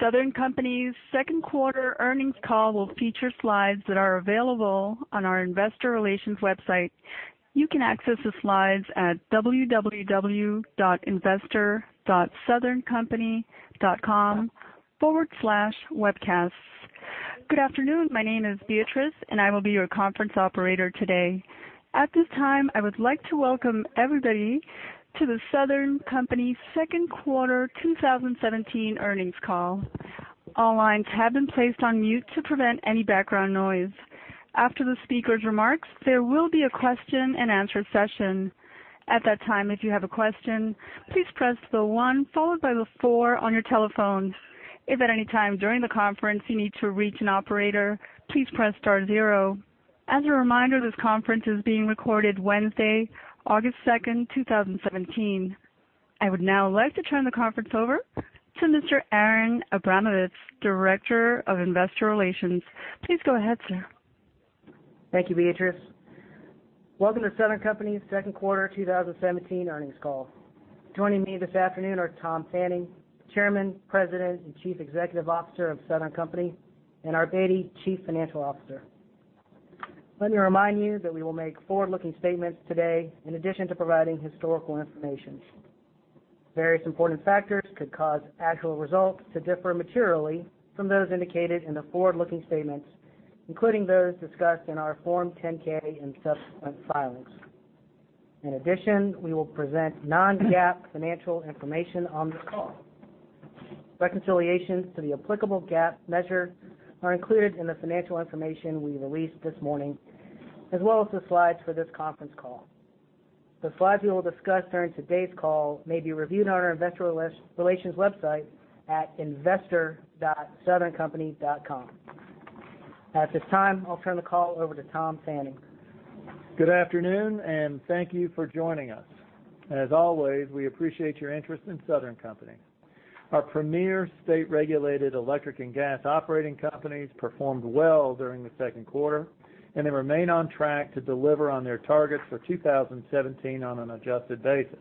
Southern Company's second quarter earnings call will feature slides that are available on our investor relations website. You can access the slides at www.investor.southerncompany.com/webcasts. Good afternoon. My name is Beatrice, and I will be your conference operator today. At this time, I would like to welcome everybody to The Southern Company second quarter 2017 earnings call. All lines have been placed on mute to prevent any background noise. After the speaker's remarks, there will be a question-and-answer session. At that time, if you have a question, please press 1 followed by 4 on your telephones. If at any time during the conference you need to reach an operator, please press star 0. As a reminder, this conference is being recorded Wednesday, August 2, 2017. I would now like to turn the conference over to Mr. Aaron Abramovitz, Director of Investor Relations. Please go ahead, sir. Thank you, Beatrice. Welcome to The Southern Company's second quarter 2017 earnings call. Joining me this afternoon are Tom Fanning, Chairman, President, and Chief Executive Officer of The Southern Company, and Art Beattie, Chief Financial Officer. Let me remind you that we will make forward-looking statements today in addition to providing historical information. Various important factors could cause actual results to differ materially from those indicated in the forward-looking statements, including those discussed in our Form 10-K and subsequent filings. In addition, we will present non-GAAP financial information on this call. Reconciliations to the applicable GAAP measures are included in the financial information we released this morning, as well as the slides for this conference call. The slides we will discuss during today's call may be reviewed on our investor relations website at investor.southerncompany.com. At this time, I'll turn the call over to Tom Fanning. Good afternoon, and thank you for joining us. As always, we appreciate your interest in The Southern Company. Our premier state-regulated electric and gas operating companies performed well during the second quarter, and they remain on track to deliver on their targets for 2017 on an adjusted basis.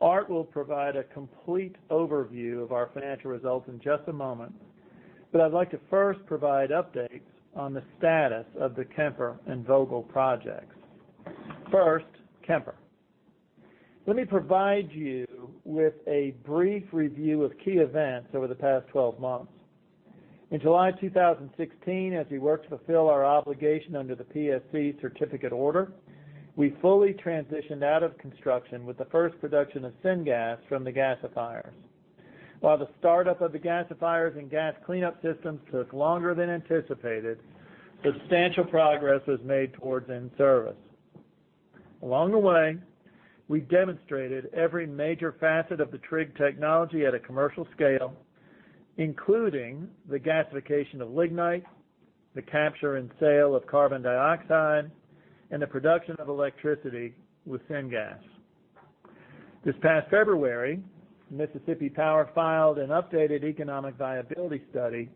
Art will provide a complete overview of our financial results in just a moment, but I'd like to first provide updates on the status of the Kemper and Vogtle projects. First, Kemper. Let me provide you with a brief review of key events over the past 12 months. In July 2016, as we worked to fulfill our obligation under the PSC certificate order, we fully transitioned out of construction with the first production of syngas from the gasifiers. While the startup of the gasifiers and gas cleanup systems took longer than anticipated, substantial progress was made towards in-service. Along the way, we demonstrated every major facet of the TRIG technology at a commercial scale, including the gasification of lignite, the capture and sale of carbon dioxide, and the production of electricity with syngas. This past February, Mississippi Power filed an updated economic viability study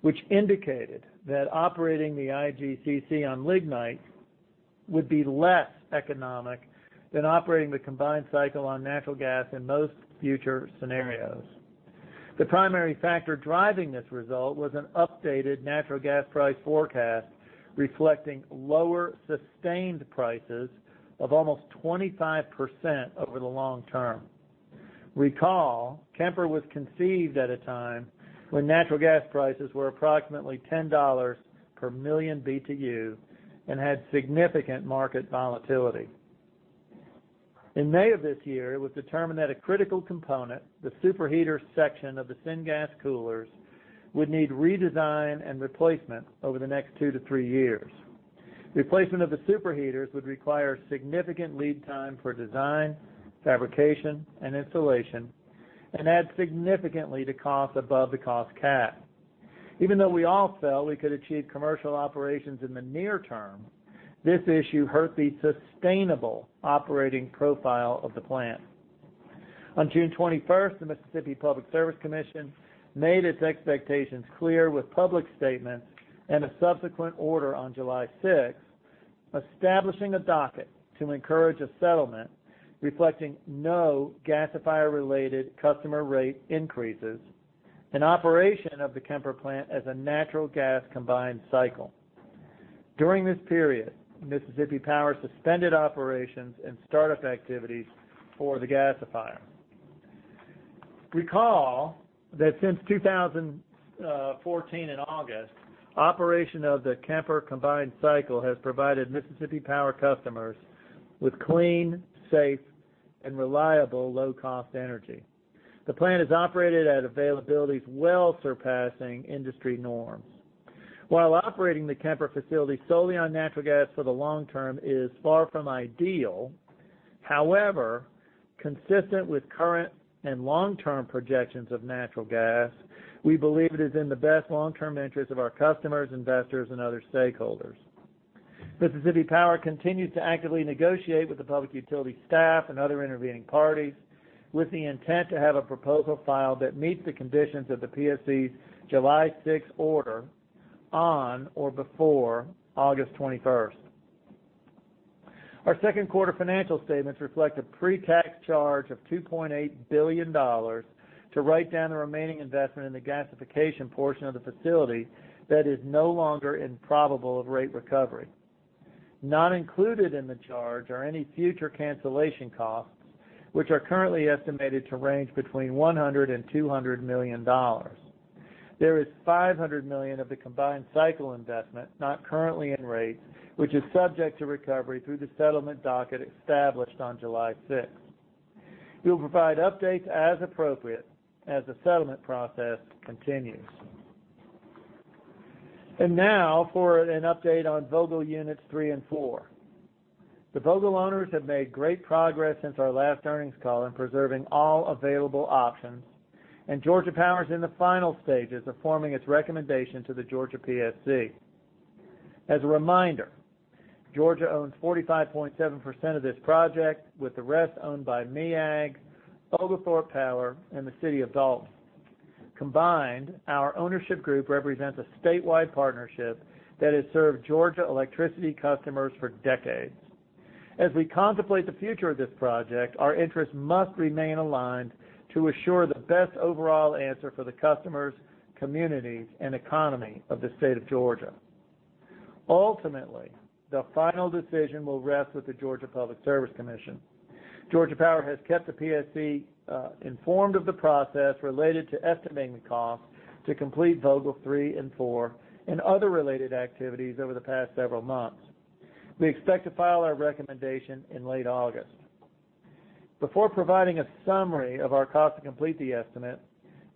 which indicated that operating the IGCC on lignite would be less economic than operating the combined cycle on natural gas in most future scenarios. The primary factor driving this result was an updated natural gas price forecast reflecting lower sustained prices of almost 25% over the long term. Recall, Kemper was conceived at a time when natural gas prices were approximately $10 per million BTU and had significant market volatility. In May of this year, it was determined that a critical component, the superheater section of the syngas coolers, would need redesign and replacement over the next two to three years. Replacement of the superheaters would require significant lead time for design, fabrication, and installation and add significantly to cost above the cost cap. Even though we all felt we could achieve commercial operations in the near term, this issue hurt the sustainable operating profile of the plant. On June 21st, the Mississippi Public Service Commission made its expectations clear with public statements and a subsequent order on July 6th, establishing a docket to encourage a settlement reflecting no gasifier-related customer rate increases and operation of the Kemper plant as a natural gas combined cycle. During this period, Mississippi Power suspended operations and startup activities for the gasifier. Recall that since 2014 in August, operation of the Kemper combined cycle has provided Mississippi Power customers with clean, safe, and reliable low-cost energy. The plant is operated at availabilities well surpassing industry norms. While operating the Kemper facility solely on natural gas for the long term is far from ideal, however, consistent with current and long-term projections of natural gas, we believe it is in the best long-term interest of our customers, investors, and other stakeholders. Mississippi Power continues to actively negotiate with the public utility staff and other intervening parties with the intent to have a proposal filed that meets the conditions of the PSC's July 6 order on or before August 21st. Our second quarter financial statements reflect a pre-tax charge of $2.8 billion to write down the remaining investment in the gasification portion of the facility that is no longer improbable of rate recovery. Not included in the charge are any future cancellation costs, which are currently estimated to range between $100 million and $200 million. There is $500 million of the combined cycle investment not currently in rate, which is subject to recovery through the settlement docket established on July 6th. We'll provide updates as appropriate as the settlement process continues. Now for an update on Vogtle Units 3 and 4. The Vogtle owners have made great progress since our last earnings call in preserving all available options, and Georgia Power is in the final stages of forming its recommendation to the Georgia PSC. As a reminder, Georgia owns 45.7% of this project, with the rest owned by MEAG, Oglethorpe Power, and the City of Dalton. Combined, our ownership group represents a statewide partnership that has served Georgia electricity customers for decades. As we contemplate the future of this project, our interests must remain aligned to assure the best overall answer for the customers, communities, and economy of the State of Georgia. Ultimately, the final decision will rest with the Georgia Public Service Commission. Georgia Power has kept the PSC informed of the process related to estimating the cost to complete Vogtle 3 and 4 and other related activities over the past several months. We expect to file our recommendation in late August. Before providing a summary of our cost to complete the estimate,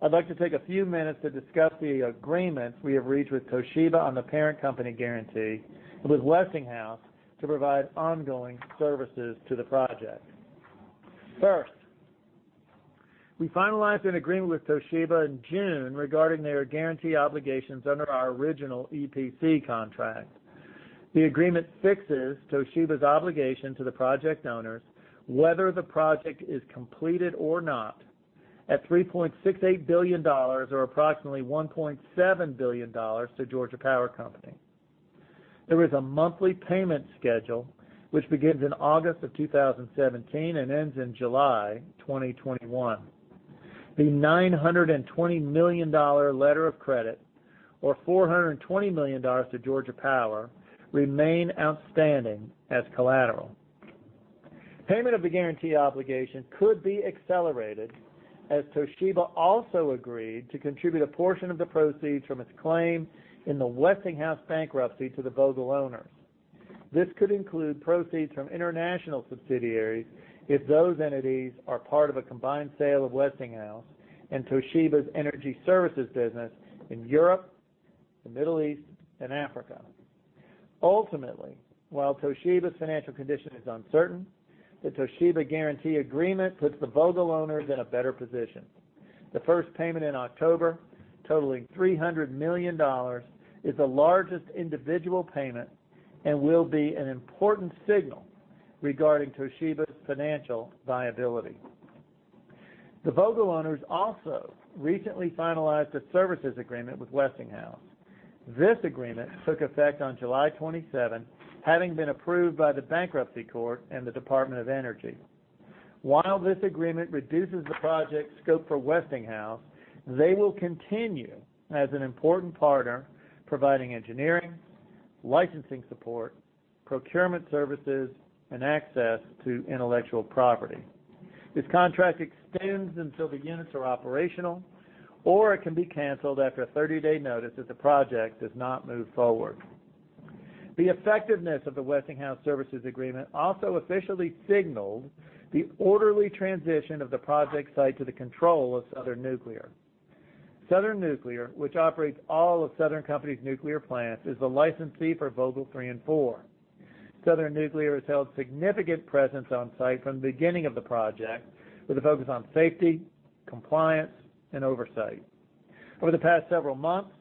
I'd like to take a few minutes to discuss the agreement we have reached with Toshiba on the parent company guarantee with Westinghouse to provide ongoing services to the project. First, we finalized an agreement with Toshiba in June regarding their guarantee obligations under our original EPC contract. The agreement fixes Toshiba's obligation to the project owners, whether the project is completed or not, at $3.68 billion, or approximately $1.7 billion to Georgia Power Company. There is a monthly payment schedule which begins in August of 2017 and ends in July 2021. The $920 million letter of credit, or $420 million to Georgia Power, remain outstanding as collateral. Payment of the guarantee obligation could be accelerated as Toshiba also agreed to contribute a portion of the proceeds from its claim in the Westinghouse bankruptcy to the Vogtle owners. This could include proceeds from international subsidiaries if those entities are part of a combined sale of Westinghouse and Toshiba's energy services business in Europe, the Middle East, and Africa. Ultimately, while Toshiba's financial condition is uncertain, the Toshiba guarantee agreement puts the Vogtle owners in a better position. The first payment in October, totaling $300 million, is the largest individual payment and will be an important signal regarding Toshiba's financial viability. The Vogtle owners also recently finalized a services agreement with Westinghouse. This agreement took effect on July 27, having been approved by the bankruptcy court and the Department of Energy. While this agreement reduces the project scope for Westinghouse, they will continue as an important partner, providing engineering, licensing support, procurement services, and access to intellectual property. This contract extends until the units are operational, or it can be canceled after a 30-day notice if the project does not move forward. The effectiveness of the Westinghouse services agreement also officially signaled the orderly transition of the project site to the control of Southern Nuclear. Southern Nuclear, which operates all of Southern Company's nuclear plants, is the licensee for Vogtle three and four. Southern Nuclear has held significant presence on-site from the beginning of the project with a focus on safety, compliance, and oversight. Over the past several months,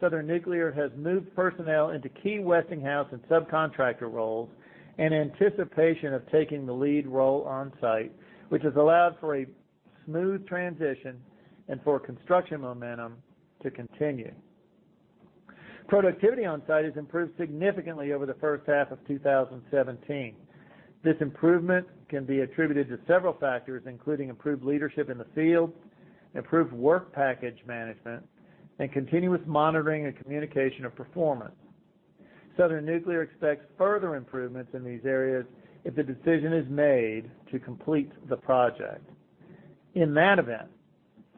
Southern Nuclear has moved personnel into key Westinghouse and subcontractor roles in anticipation of taking the lead role on-site, which has allowed for a smooth transition and for construction momentum to continue. Productivity on-site has improved significantly over the first half of 2017. This improvement can be attributed to several factors, including improved leadership in the field, improved work package management, and continuous monitoring and communication of performance. Southern Nuclear expects further improvements in these areas if the decision is made to complete the project. In that event,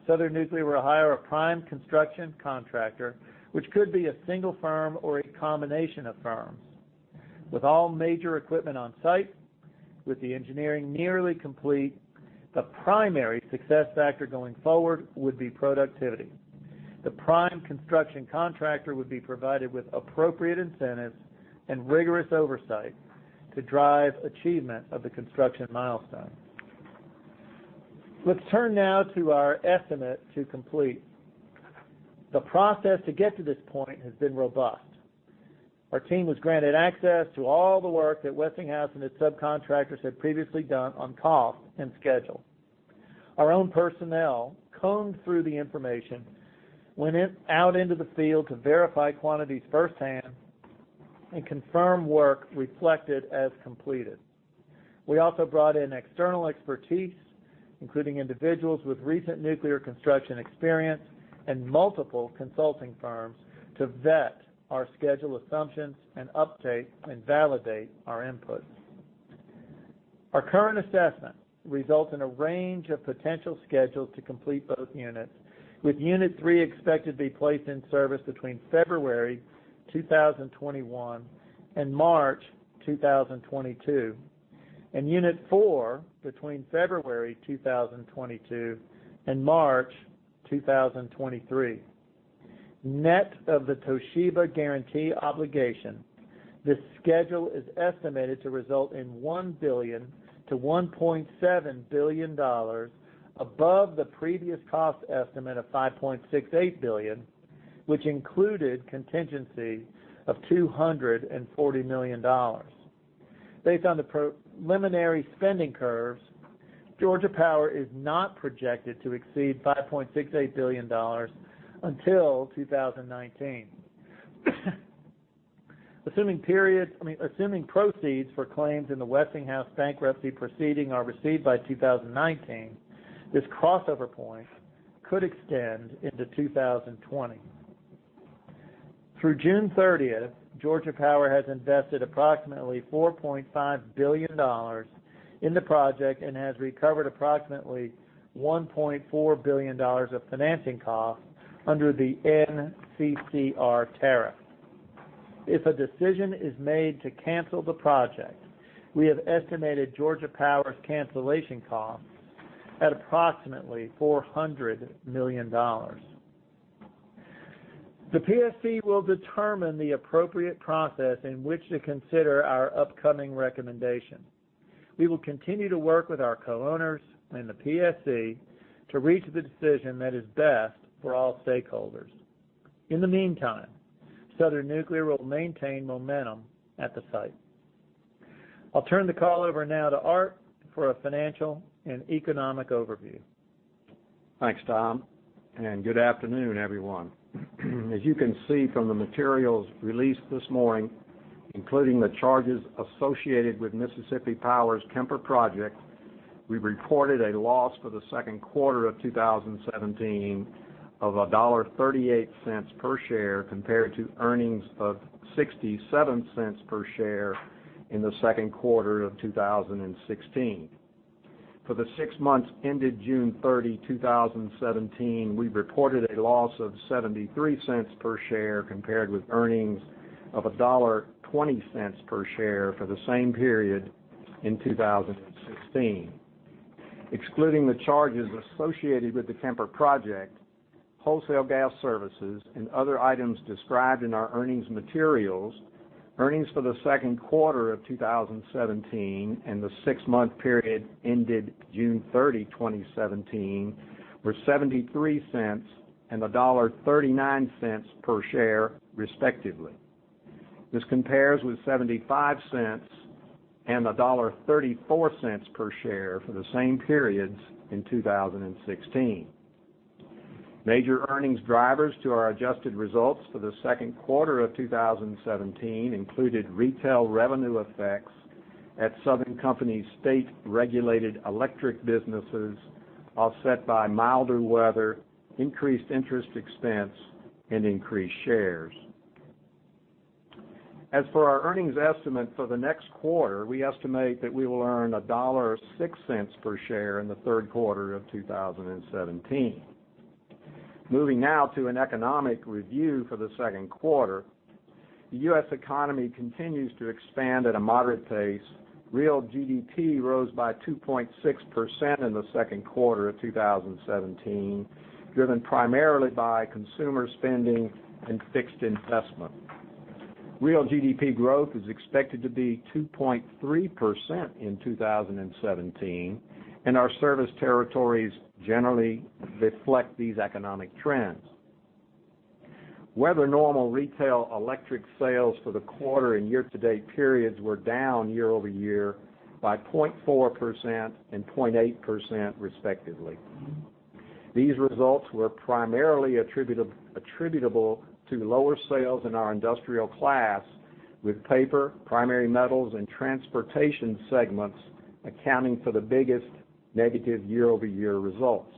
Southern Nuclear will hire a prime construction contractor, which could be a single firm or a combination of firms. With all major equipment on-site, with the engineering nearly complete, the primary success factor going forward would be productivity. The prime construction contractor would be provided with appropriate incentives and rigorous oversight to drive achievement of the construction milestone. Let's turn now to our estimate to complete. The process to get to this point has been robust. Our team was granted access to all the work that Westinghouse and its subcontractors had previously done on cost and schedule. Our own personnel combed through the information, went out into the field to verify quantities firsthand, and confirm work reflected as completed. We also brought in external expertise, including individuals with recent nuclear construction experience and multiple consulting firms to vet our schedule assumptions and update and validate our inputs. Our current assessment results in a range of potential schedules to complete both units, with unit three expected to be placed in service between February 2021 and March 2022, and unit four between February 2022 and March 2023. Net of the Toshiba guarantee obligation, this schedule is estimated to result in $1 billion to $1.7 billion above the previous cost estimate of $5.68 billion, which included contingency of $240 million. Based on the preliminary spending curves, Georgia Power is not projected to exceed $5.68 billion until 2019. Assuming proceeds for claims in the Westinghouse bankruptcy proceeding are received by 2019, this crossover point could extend into 2020. Through June 30, Georgia Power has invested approximately $4.5 billion in the project and has recovered approximately $1.4 billion of financing costs under the NCCR tariff. If a decision is made to cancel the project, we have estimated Georgia Power's cancellation cost at approximately $400 million. The PSC will determine the appropriate process in which to consider our upcoming recommendation. We will continue to work with our co-owners and the PSC to reach the decision that is best for all stakeholders. In the meantime, Southern Nuclear will maintain momentum at the site. I'll turn the call over now to Art for a financial and economic overview. Thanks, Tom. Good afternoon, everyone. As you can see from the materials released this morning, including the charges associated with Mississippi Power's Kemper Project, we reported a loss for the second quarter of 2017 of $1.38 per share compared to earnings of $0.67 per share in the second quarter of 2016. For the six months ended June 30, 2017, we reported a loss of $0.73 per share compared with earnings of $1.20 per share for the same period in 2016. Excluding the charges associated with the Kemper project, wholesale gas services, and other items described in our earnings materials, earnings for the second quarter of 2017 and the six-month period ended June 30, 2017 were $0.73 and $1.39 per share respectively. This compares with $0.75 and $1.34 per share for the same periods in 2016. Major earnings drivers to our adjusted results for the second quarter of 2017 included retail revenue effects at Southern Company state-regulated electric businesses offset by milder weather, increased interest expense, and increased shares. As for our earnings estimate for the next quarter, we estimate that we will earn $1.06 per share in the third quarter of 2017. Moving now to an economic review for the second quarter. The U.S. economy continues to expand at a moderate pace. Real GDP rose by 2.6% in the second quarter of 2017, driven primarily by consumer spending and fixed investment. Real GDP growth is expected to be 2.3% in 2017. Our service territories generally reflect these economic trends. Weather-normal retail electric sales for the quarter and year-to-date periods were down year-over-year by 0.4% and 0.8% respectively. These results were primarily attributable to lower sales in our industrial class with paper, primary metals, and transportation segments accounting for the biggest negative year-over-year results.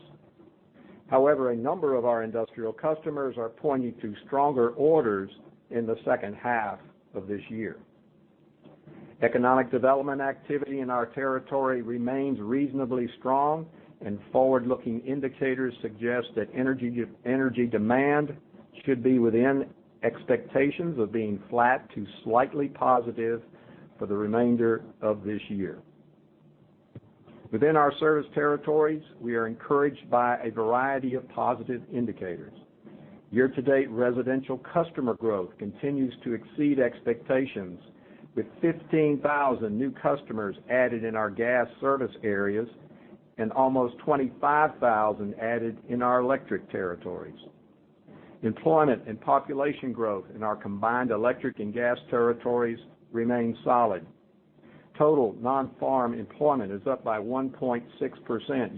However, a number of our industrial customers are pointing to stronger orders in the second half of this year. Economic development activity in our territory remains reasonably strong, and forward-looking indicators suggest that energy demand should be within expectations of being flat to slightly positive for the remainder of this year. Within our service territories, we are encouraged by a variety of positive indicators. Year-to-date residential customer growth continues to exceed expectations, with 15,000 new customers added in our gas service areas and almost 25,000 added in our electric territories. Employment and population growth in our combined electric and gas territories remain solid. Total non-farm employment is up by 1.6%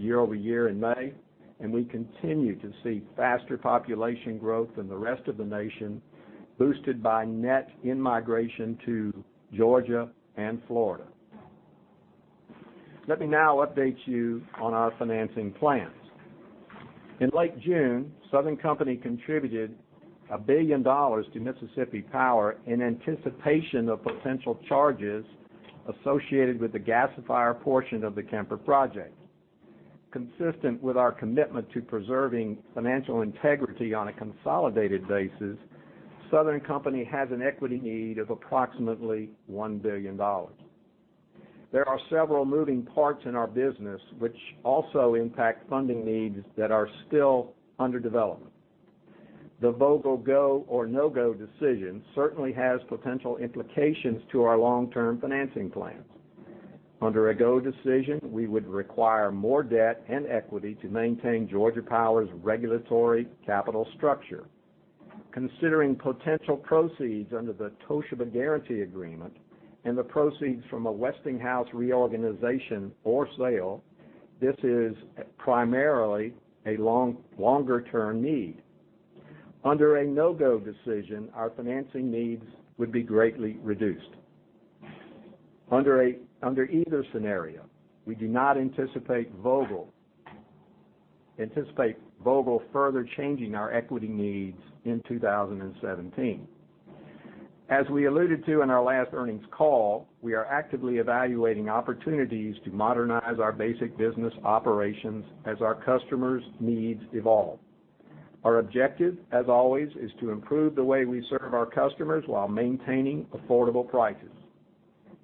year-over-year in May, and we continue to see faster population growth than the rest of the nation, boosted by net in-migration to Georgia and Florida. Let me now update you on our financing plans. In late June, Southern Company contributed $1 billion to Mississippi Power in anticipation of potential charges associated with the gasifier portion of the Kemper project. Consistent with our commitment to preserving financial integrity on a consolidated basis, Southern Company has an equity need of approximately $1 billion. There are several moving parts in our business which also impact funding needs that are still under development. The Vogtle go or no-go decision certainly has potential implications to our long-term financing plans. Under a go decision, we would require more debt and equity to maintain Georgia Power's regulatory capital structure. Considering potential proceeds under the Toshiba guarantee agreement and the proceeds from a Westinghouse reorganization or sale, this is primarily a longer-term need. Under a no-go decision, our financing needs would be greatly reduced. Under either scenario, we do not anticipate Vogtle further changing our equity needs in 2017. As we alluded to in our last earnings call, we are actively evaluating opportunities to modernize our basic business operations as our customers' needs evolve. Our objective, as always, is to improve the way we serve our customers while maintaining affordable prices.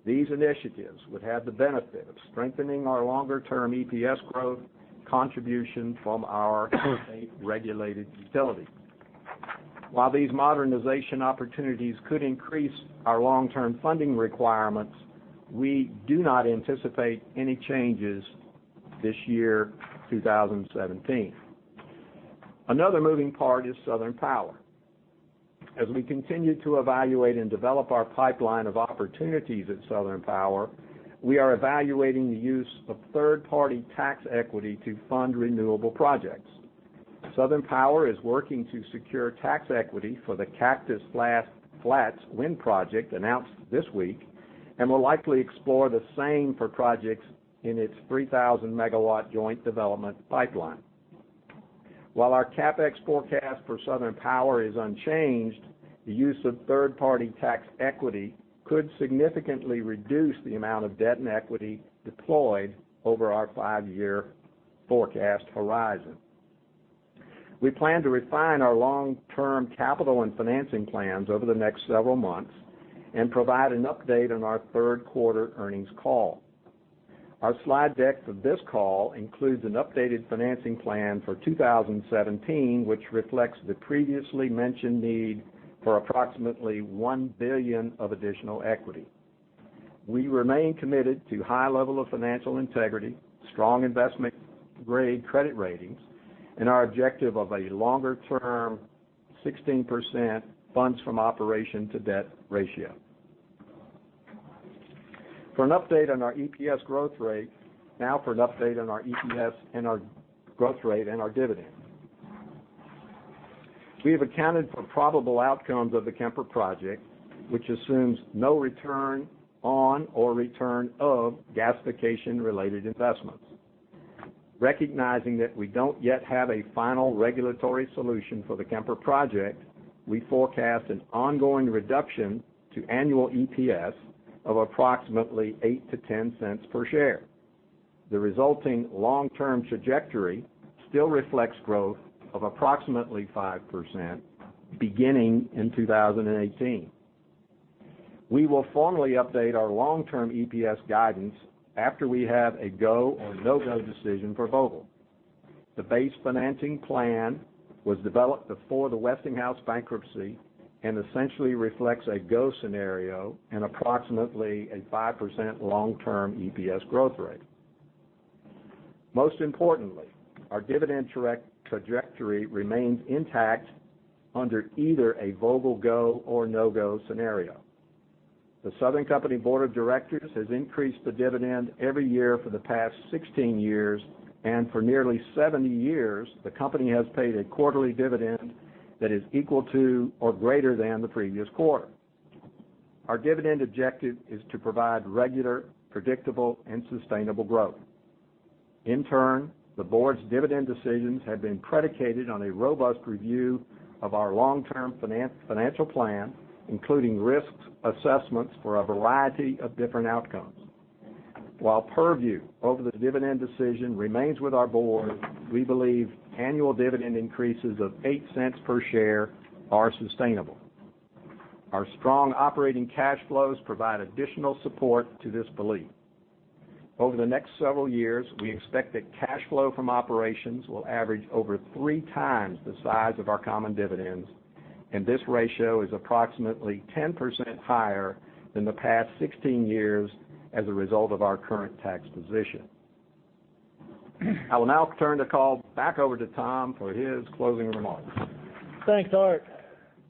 These initiatives would have the benefit of strengthening our longer-term EPS growth contribution from our regulated utilities. While these modernization opportunities could increase our long-term funding requirements, we do not anticipate any changes this year, 2017. Another moving part is Southern Power. As we continue to evaluate and develop our pipeline of opportunities at Southern Power, we are evaluating the use of third-party tax equity to fund renewable projects. Southern Power is working to secure tax equity for the Cactus Flats wind project announced this week and will likely explore the same for projects in its 3,000-megawatt joint development pipeline. While our CapEx forecast for Southern Power is unchanged, the use of third-party tax equity could significantly reduce the amount of debt and equity deployed over our five-year forecast horizon. We plan to refine our long-term capital and financing plans over the next several months and provide an update on our third quarter earnings call. Our slide deck for this call includes an updated financing plan for 2017, which reflects the previously mentioned need for approximately $1 billion of additional equity. We remain committed to a high level of financial integrity, strong investment-grade credit ratings, and our objective of a longer-term 16% funds from operation to debt ratio. Now for an update on our EPS and our growth rate and our dividend. We have accounted for probable outcomes of the Kemper project, which assumes no return on or return of gasification-related investments. Recognizing that we don't yet have a final regulatory solution for the Kemper project, we forecast an ongoing reduction to annual EPS of approximately $0.08-$0.10 per share. The resulting long-term trajectory still reflects growth of approximately 5% beginning in 2018. We will formally update our long-term EPS guidance after we have a go or no-go decision for Vogtle. The base financing plan was developed before the Westinghouse bankruptcy and essentially reflects a go scenario and approximately a 5% long-term EPS growth rate. Most importantly, our dividend trajectory remains intact under either a Vogtle go or no-go scenario. The Southern Company Board of Directors has increased the dividend every year for the past 16 years, and for nearly 70 years, the company has paid a quarterly dividend that is equal to or greater than the previous quarter. Our dividend objective is to provide regular, predictable, and sustainable growth. In turn, the board's dividend decisions have been predicated on a robust review of our long-term financial plan, including risk assessments for a variety of different outcomes. While purview over the dividend decision remains with our board, we believe annual dividend increases of $0.08 per share are sustainable. Our strong operating cash flows provide additional support to this belief. Over the next several years, we expect that cash flow from operations will average over three times the size of our common dividends, and this ratio is approximately 10% higher than the past 16 years as a result of our current tax position. I will now turn the call back over to Tom for his closing remarks. Thanks, Art.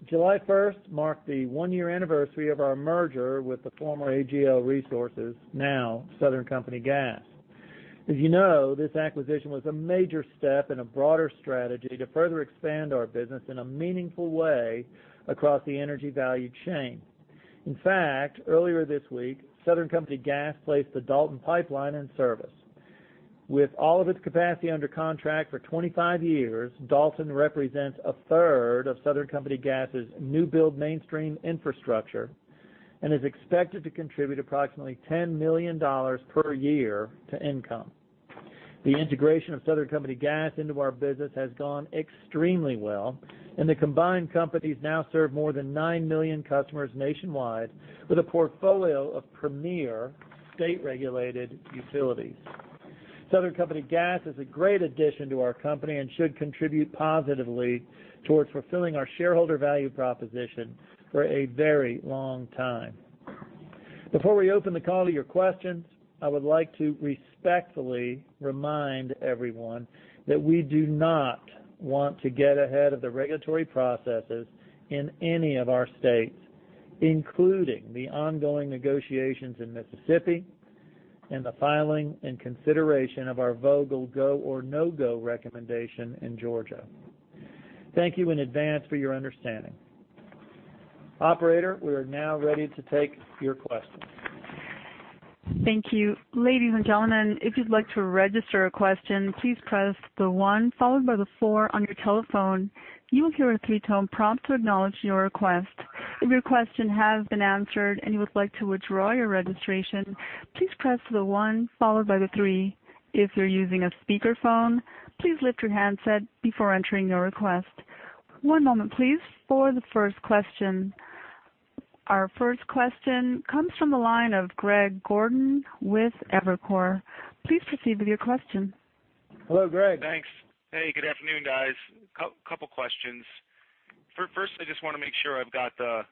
July 1st marked the one-year anniversary of our merger with the former AGL Resources, now Southern Company Gas. As you know, this acquisition was a major step in a broader strategy to further expand our business in a meaningful way across the energy value chain. In fact, earlier this week, Southern Company Gas placed the Dalton Pipeline in service. With all of its capacity under contract for 25 years, Dalton represents a third of Southern Company Gas' new build mainstream infrastructure and is expected to contribute approximately $10 million per year to income. The integration of Southern Company Gas into our business has gone extremely well, and the combined companies now serve more than 9 million customers nationwide with a portfolio of premier state-regulated utilities. Southern Company Gas is a great addition to our company and should contribute positively towards fulfilling our shareholder value proposition for a very long time. Before we open the call to your questions, I would like to respectfully remind everyone that we do not want to get ahead of the regulatory processes in any of our states, including the ongoing negotiations in Mississippi and the filing and consideration of our Vogtle go or no-go recommendation in Georgia. Thank you in advance for your understanding. Operator, we are now ready to take your questions. Thank you. Ladies and gentlemen, if you'd like to register a question, please press the one followed by the four on your telephone. You will hear a three-tone prompt to acknowledge your request. If your question has been answered and you would like to withdraw your registration, please press the one followed by the three. If you're using a speakerphone, please lift your handset before entering your request. One moment please for the first question. Our first question comes from the line of Greg Gordon with Evercore. Please proceed with your question. Hello, Greg. Thanks. Hey, good afternoon, guys. Couple questions. First, I just want to make sure I've got the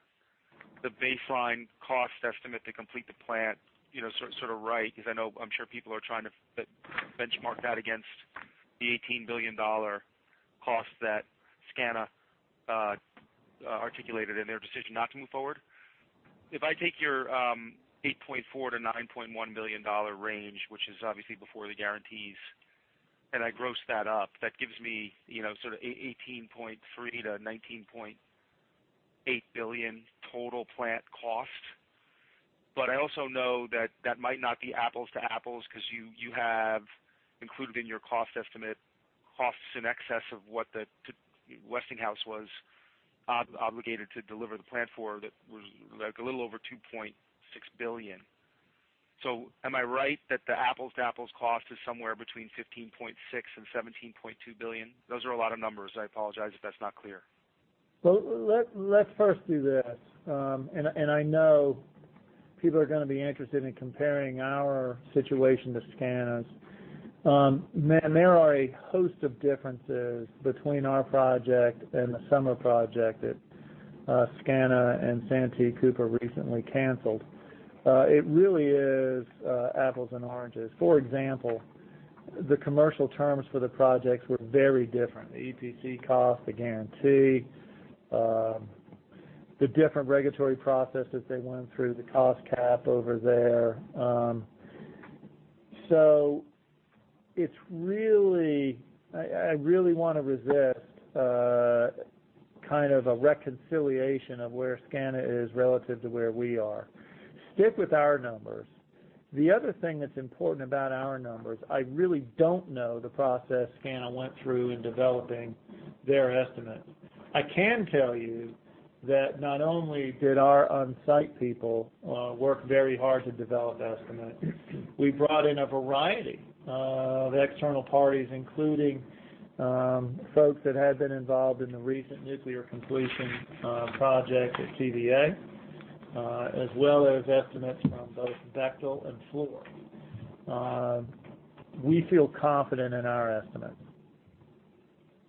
baseline cost estimate to complete the plant sort of right, because I'm sure people are trying to benchmark that against the $18 billion cost that SCANA articulated in their decision not to move forward. If I take your $8.4 billion-$9.1 billion range, which is obviously before the guarantees, I gross that up, that gives me sort of $18.3 billion-$19.8 billion total plant cost. I also know that that might not be apples to apples because you have included in your cost estimate costs in excess of what the Westinghouse was obligated to deliver the plant for. That was like a little over $2.6 billion. Am I right that the apples-to-apples cost is somewhere between $15.6 billion and $17.2 billion? Those are a lot of numbers. I apologize if that's not clear. Well, let's first do this. I know people are going to be interested in comparing our situation to SCANA's. There are a host of differences between our project and the Summer project that SCANA and Santee Cooper recently canceled. It really is apples and oranges. For example, the commercial terms for the projects were very different. The EPC cost, the guarantee, the different regulatory processes they went through, the cost cap over there. I really want to resist a kind of a reconciliation of where SCANA is relative to where we are. Stick with our numbers. The other thing that's important about our numbers, I really don't know the process SCANA went through in developing their estimate. I can tell you that not only did our on-site people work very hard to develop the estimate, we brought in a variety of external parties, including folks that had been involved in the recent nuclear completion project at TVA as well as estimates from both Bechtel and Fluor. We feel confident in our estimate.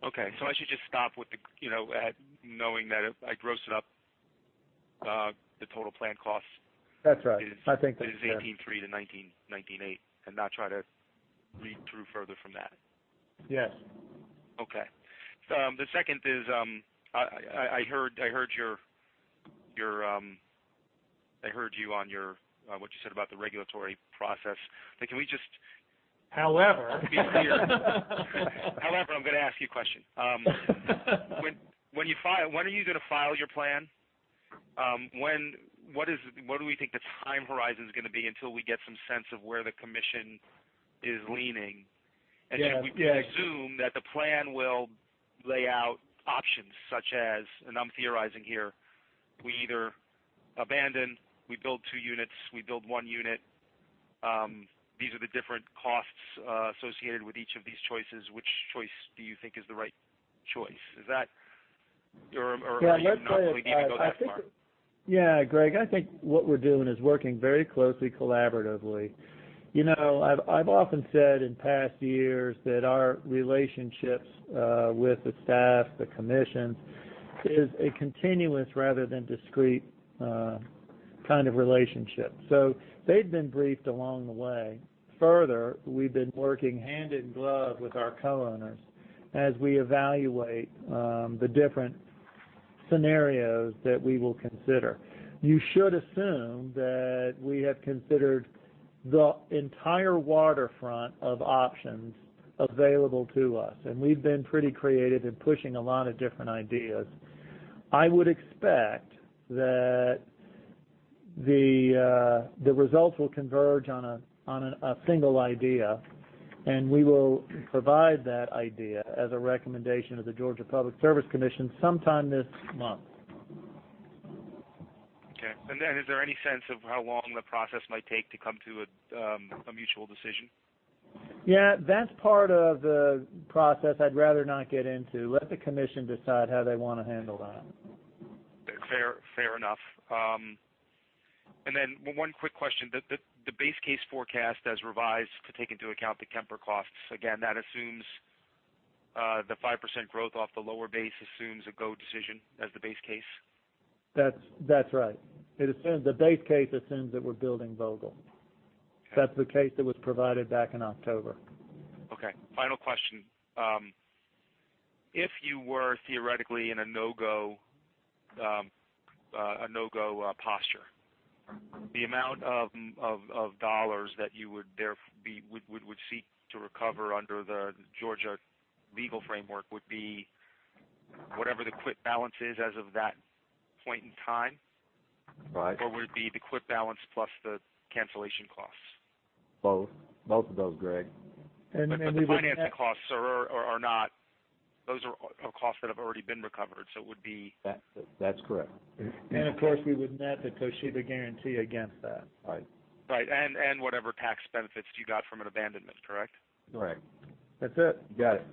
I should just stop with knowing that if I gross it up, the total plan cost. That's right. I think. is 18.3 to 19.8 and not try to read through further from that. Yes. Okay. The second is, I heard you on what you said about the regulatory process. However I'm going to ask you a question. When are you going to file your plan? What do we think the time horizon's going to be until we get some sense of where the Commission is leaning? Yeah. Can we presume that the plan will lay out options such as, and I'm theorizing here, we either abandon, we build two units, we build one unit. These are the different costs associated with each of these choices. Which choice do you think is the right choice? Are you not willing to go that far? Yeah, Greg, I think what we're doing is working very closely collaboratively. I've often said in past years that our relationships with the staff, the commission, is a continuous rather than discrete Kind of relationship. They've been briefed along the way. Further, we've been working hand in glove with our co-owners as we evaluate the different scenarios that we will consider. You should assume that we have considered the entire waterfront of options available to us, and we've been pretty creative in pushing a lot of different ideas. I would expect that the results will converge on a single idea, and we will provide that idea as a recommendation to the Georgia Public Service Commission sometime this month. Okay. Is there any sense of how long the process might take to come to a mutual decision? Yeah, that's part of the process I'd rather not get into. Let the commission decide how they want to handle that. Fair enough. One quick question, the base case forecast as revised to take into account the Kemper costs, again, that assumes the 5% growth off the lower base assumes a go decision as the base case? That's right. The base case assumes that we're building Vogtle. Okay. That's the case that was provided back in October. Okay, final question. If you were theoretically in a no-go posture, the amount of dollars that you would seek to recover under the Georgia legal framework would be whatever the quit balance is as of that point in time? Right. Would it be the quit balance plus the cancellation costs? Both of those, Greg. Then we would The financing costs are not. Those are costs that have already been recovered, it would be That's correct. Of course, we would net the Toshiba guarantee against that. Right. Right, whatever tax benefits you got from an abandonment, correct? Right. That's it. You got it.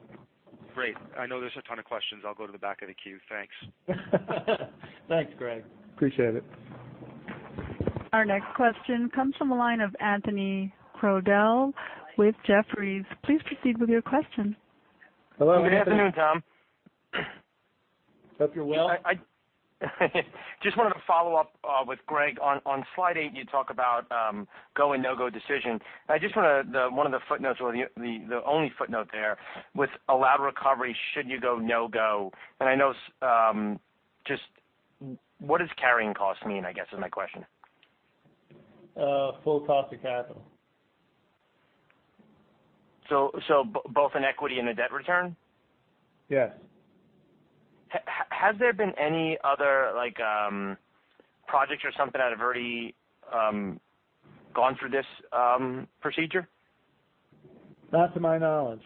Great. I know there's a ton of questions. I'll go to the back of the queue. Thanks. Thanks, Greg. Appreciate it. Our next question comes from the line of Anthony Crowdell with Jefferies. Please proceed with your question. Hello, Anthony. Good afternoon, Tom. Hope you're well. Just wanted to follow up with Greg, on slide eight, you talk about go and no-go decision. One of the footnotes or the only footnote there with allowed recovery should you go no-go. Just what does carrying cost mean, I guess, is my question. Full cost of capital. Both in equity and the debt return? Yes. Has there been any other projects or something that have already gone through this procedure? Not to my knowledge.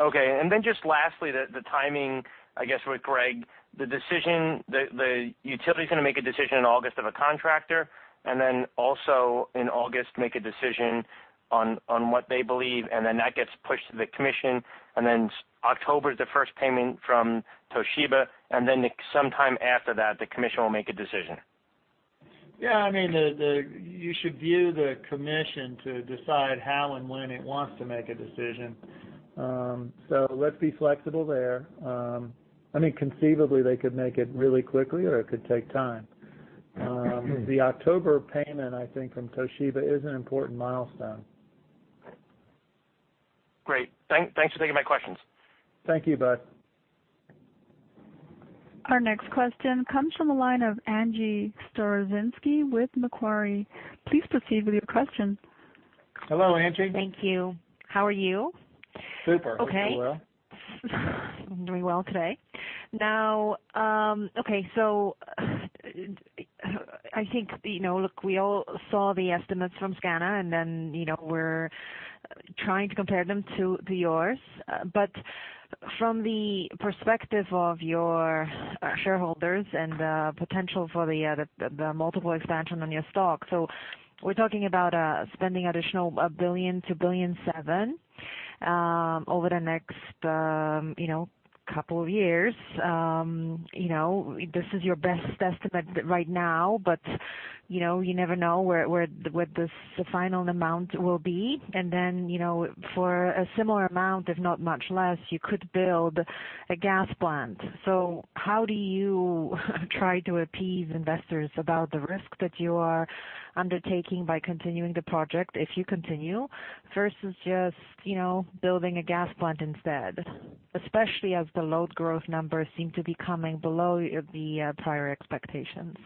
Okay. Just lastly, the timing, I guess with Greg, the utility is going to make a decision in August of a contractor, and then also in August make a decision on what they believe, and then that gets pushed to the commission. October is the first payment from Toshiba, and then sometime after that, the commission will make a decision. Yeah. You should view the commission to decide how and when it wants to make a decision. Let's be flexible there. Conceivably, they could make it really quickly or it could take time. The October payment, I think from Toshiba is an important milestone. Great. Thanks for taking my questions. Thank you, bud. Our next question comes from the line of Angie Storozynski with Macquarie. Please proceed with your question. Hello, Angie. Thank you. How are you? Super. Okay. Hope you're well. Doing well today. Okay. I think, look, we all saw the estimates from SCANA, we're trying to compare them to yours. From the perspective of your shareholders and the potential for the multiple expansion on your stock. We're talking about spending additional $1 billion-$1.7 billion over the next 2 years. This is your best estimate right now, but you never know what the final amount will be. For a similar amount, if not much less, you could build a gas plant. How do you try to appease investors about the risk that you are undertaking by continuing the project if you continue, versus just building a gas plant instead, especially as the load growth numbers seem to be coming below the prior expectations?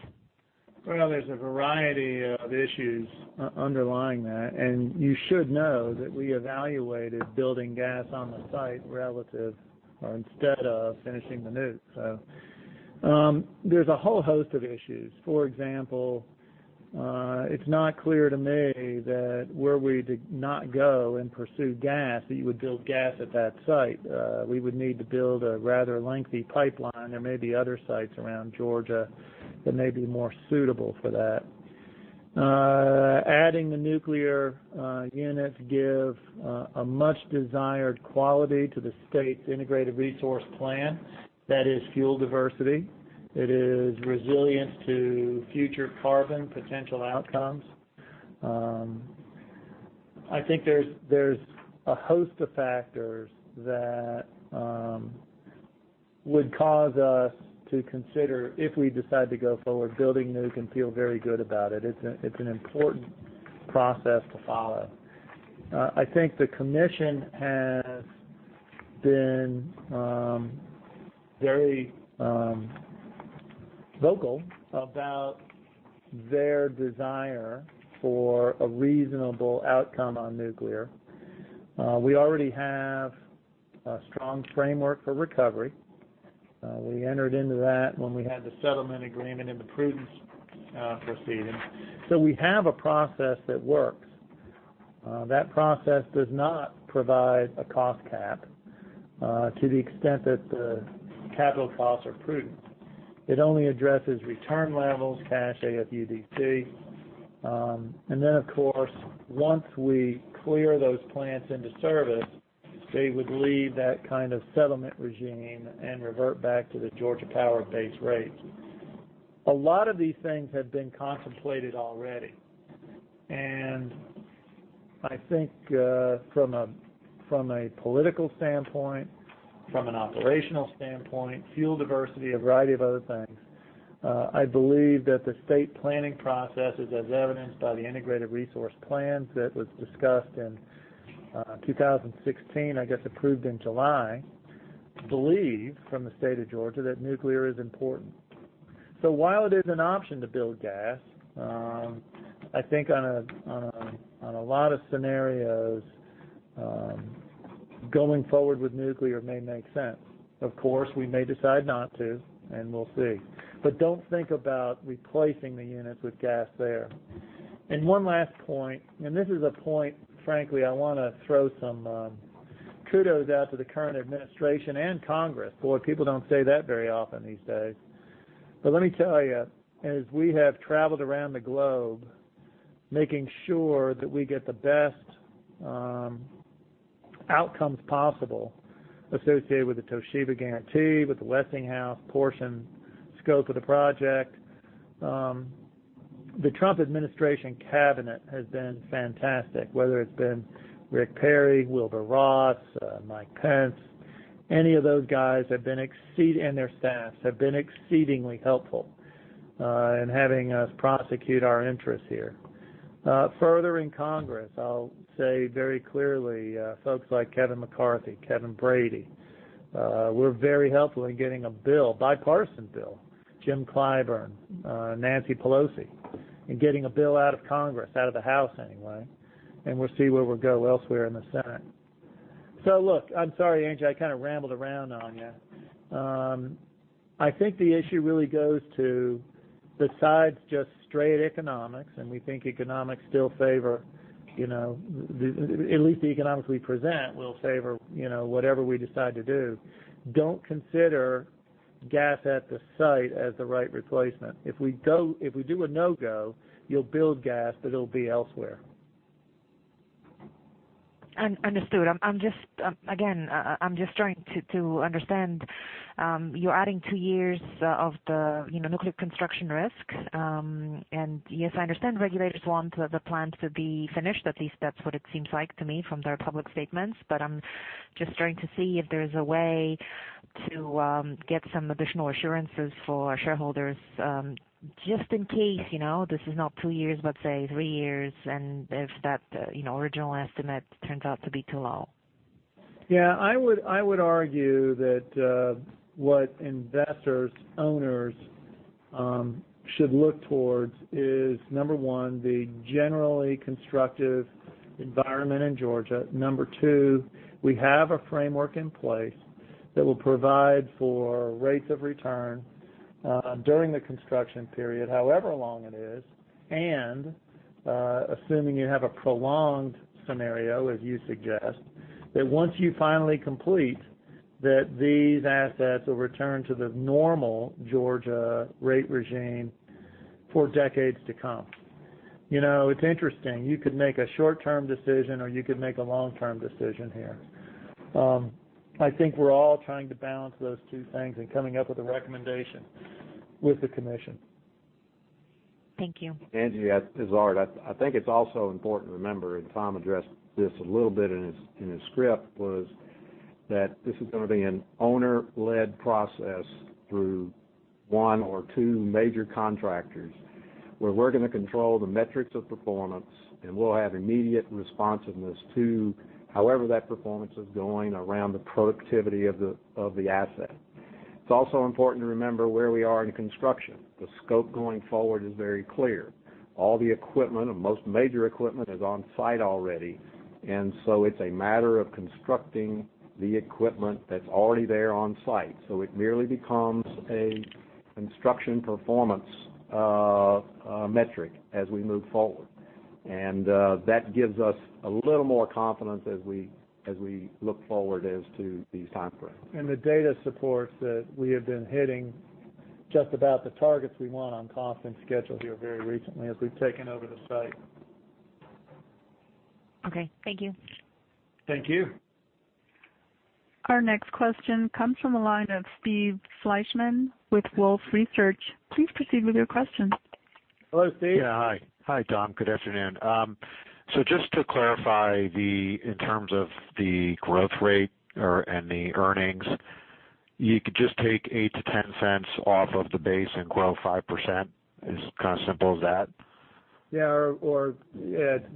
Well, there's a variety of issues underlying that, you should know that we evaluated building gas on the site relative or instead of finishing the nuke. There's a whole host of issues. For example, it's not clear to me that were we to not go and pursue gas, that you would build gas at that site. We would need to build a rather lengthy pipeline. There may be other sites around Georgia that may be more suitable for that. Adding the nuclear units give a much desired quality to the state's integrated resource plan, that is fuel diversity. It is resilience to future carbon potential outcomes. I think there's a host of factors that would cause us to consider, if we decide to go forward, building nuke can feel very good about it. It's an important process to follow. I think the commission has been very vocal about their desire for a reasonable outcome on nuclear. We already have a strong framework for recovery. We entered into that when we had the settlement agreement in the prudence proceeding. We have a process that works. That process does not provide a cost cap to the extent that the capital costs are prudent. It only addresses return levels, cash AFUDC. Of course, once we clear those plants into service, they would leave that kind of settlement regime and revert back to the Georgia Power-based rates. A lot of these things have been contemplated already. I think from a political standpoint, from an operational standpoint, fuel diversity, a variety of other things, I believe that the state planning processes, as evidenced by the integrated resource plans that was discussed in 2016, I guess approved in July, believe from the state of Georgia that nuclear is important. While it is an option to build gas, I think on a lot of scenarios, going forward with nuclear may make sense. Of course, we may decide not to, and we'll see. Don't think about replacing the units with gas there. One last point, and this is a point, frankly, I want to throw some kudos out to the current administration and Congress. Boy, people don't say that very often these days. Let me tell you, as we have traveled around the globe, making sure that we get the best outcomes possible associated with the Toshiba guarantee, with the Westinghouse portion scope of the project. The Trump administration cabinet has been fantastic, whether it's been Rick Perry, Wilbur Ross, Mike Pence, any of those guys and their staffs have been exceedingly helpful in having us prosecute our interests here. Further in Congress, I'll say very clearly, folks like Kevin McCarthy, Kevin Brady, were very helpful in getting a bill, bipartisan bill. Jim Clyburn, Nancy Pelosi, in getting a bill out of Congress, out of the House anyway, and we'll see where we'll go elsewhere in the Senate. Look, I'm sorry, Angie, I kind of rambled around on you. I think the issue really goes to besides just straight economics. We think economics still favor, at least the economics we present will favor whatever we decide to do. Don't consider gas at the site as the right replacement. If we do a no-go, you'll build gas, but it'll be elsewhere. Understood. Again, I'm just trying to understand. You're adding two years of the nuclear construction risk. Yes, I understand regulators want the plant to be finished, at least that's what it seems like to me from their public statements. I'm just trying to see if there's a way to get some additional assurances for shareholders, just in case this is not two years, but say, three years, and if that original estimate turns out to be too low. Yeah, I would argue that what investors, owners should look towards is, number 1, the generally constructive environment in Georgia. Number 2, we have a framework in place that will provide for rates of return during the construction period, however long it is, and assuming you have a prolonged scenario, as you suggest, that once you finally complete, these assets will return to the normal Georgia rate regime for decades to come. It's interesting. You could make a short-term decision or you could make a long-term decision here. I think we're all trying to balance those two things and coming up with a recommendation with the commission. Thank you. Angie, this is Art. I think it's also important to remember, and Tom addressed this a little bit in his script, was that this is going to be an owner-led process through one or two major contractors, where we're going to control the metrics of performance, and we'll have immediate responsiveness to however that performance is going around the productivity of the asset. It's also important to remember where we are in construction. The scope going forward is very clear. All the equipment or most major equipment is on-site already. It's a matter of constructing the equipment that's already there on site. It merely becomes a construction performance metric as we move forward. That gives us a little more confidence as we look forward as to these time frames. The data supports that we have been hitting just about the targets we want on cost and schedule here very recently as we've taken over the site. Okay. Thank you. Thank you. Our next question comes from the line of Steve Fleishman with Wolfe Research. Please proceed with your question. Hello, Steve. Hi. Hi, Tom. Good afternoon. Just to clarify in terms of the growth rate and the earnings, you could just take $0.08-$0.10 off of the base and grow 5%? It's kind of simple as that? Yeah.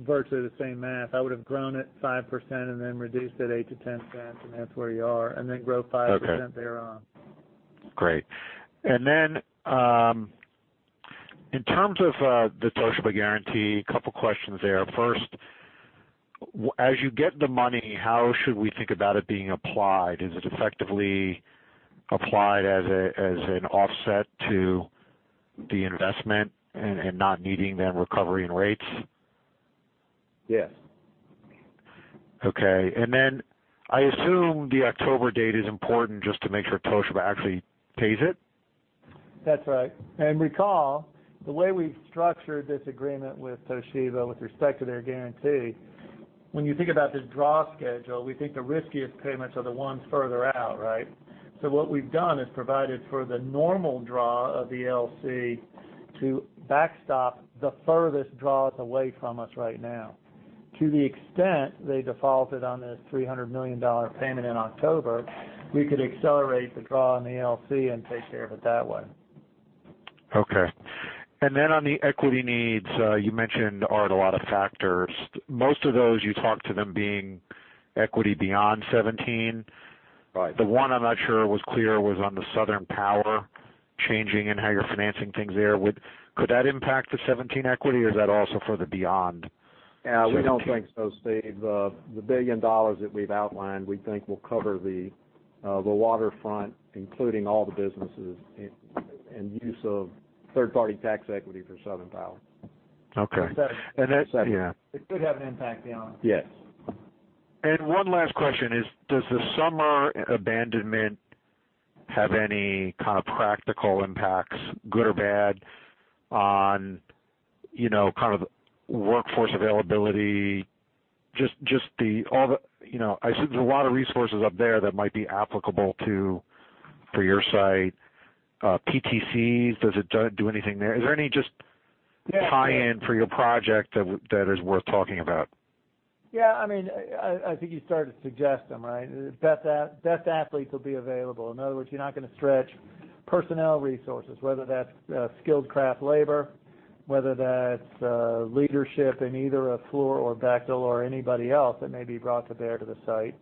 Virtually the same math. I would've grown it 5% and then reduced it $0.08-$0.10, and that's where you are, and then grow 5% Okay thereafter on. Great. In terms of the Toshiba guarantee, couple questions there. First, as you get the money, how should we think about it being applied? Is it effectively applied as an offset to the investment and not needing then recovery and rates? Yes. Okay. I assume the October date is important just to make sure Toshiba actually pays it? That's right. Recall, the way we've structured this agreement with Toshiba with respect to their guarantee, when you think about this draw schedule, we think the riskiest payments are the ones further out, right? What we've done is provided for the normal draw of the LLC to backstop the furthest draws away from us right now. To the extent they defaulted on this $300 million payment in October, we could accelerate the draw on the LLC and take care of it that way. Okay. On the equity needs, you mentioned are a lot of factors. Most of those you talked to them being equity beyond 2017. Right. The one I'm not sure was clear was on the Southern Power changing and how you're financing things there. Could that impact the 2017 equity or is that also further beyond? Yeah, we don't think so, Steve. The $1 billion that we've outlined, we think will cover the waterfront, including all the businesses and use of third-party tax equity for Southern Power. Okay. That's- It could have an impact beyond. Yes. One last question is, does the Summer abandonment have any kind of practical impacts, good or bad, on kind of the workforce availability? I assume there's a lot of resources up there that might be applicable for your site. PTCs, does it do anything there? Is there any just tie-in for your project that is worth talking about? Yeah, I think you started to suggest them, right? Best athletes will be available. In other words, you're not going to stretch personnel resources, whether that's skilled craft labor, whether that's leadership in either a Fluor or Bechtel or anybody else that may be brought to bear to the site.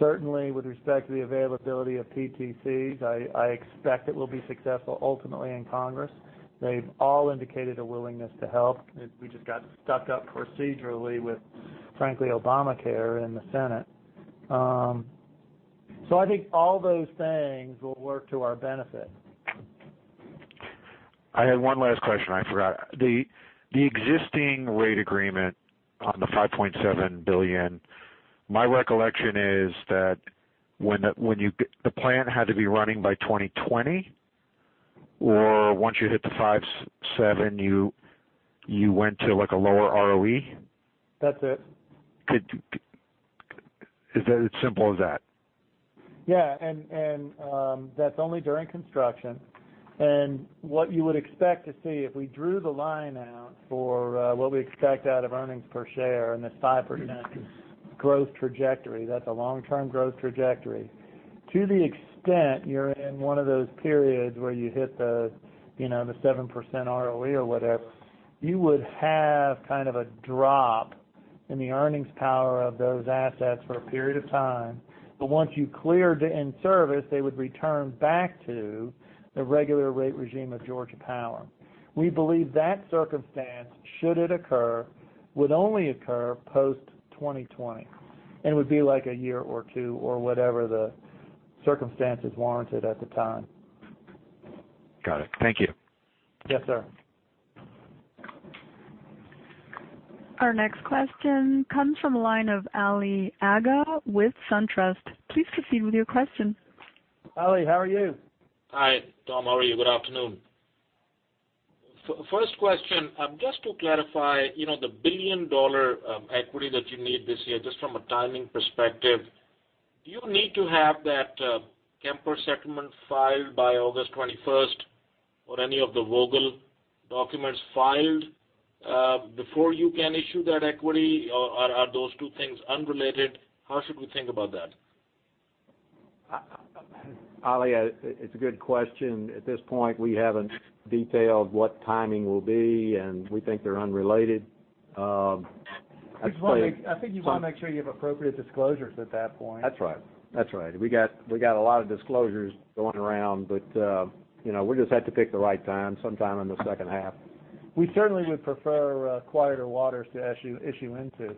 Certainly, with respect to the availability of PTCs, I expect it will be successful ultimately in Congress. They've all indicated a willingness to help. We just got stuffed up procedurally with, frankly, Obamacare in the Senate. I think all those things will work to our benefit. I had one last question I forgot. The existing rate agreement on the $5.7 billion, my recollection is that the plant had to be running by 2020? Once you hit the $5.7 billion, you went to a lower ROE? That's it. Is it as simple as that? Yeah, that's only during construction. What you would expect to see if we drew the line out for what we expect out of earnings per share in this 5% growth trajectory, that's a long-term growth trajectory. To the extent you're in one of those periods where you hit the 7% ROE or whatever, you would have kind of a drop in the earnings power of those assets for a period of time. Once you cleared to in-service, they would return back to the regular rate regime of Georgia Power. We believe that circumstance, should it occur, would only occur post-2020 and would be like a year or two or whatever the circumstances warranted at the time. Got it. Thank you. Yes, sir. Our next question comes from the line of Ali Agha with SunTrust. Please proceed with your question. Ali, how are you? Hi, Tom. How are you? Good afternoon. First question, just to clarify the billion-dollar equity that you need this year, just from a timing perspective, do you need to have that Kemper settlement filed by August 21st or any of the Vogtle documents filed before you can issue that equity, or are those two things unrelated? How should we think about that? Ali, it's a good question. At this point, we haven't detailed what timing will be, and we think they're unrelated. I think you want to make sure you have appropriate disclosures at that point. That's right. We got a lot of disclosures going around. We'll just have to pick the right time, sometime in the second half. We certainly would prefer quieter waters to issue into.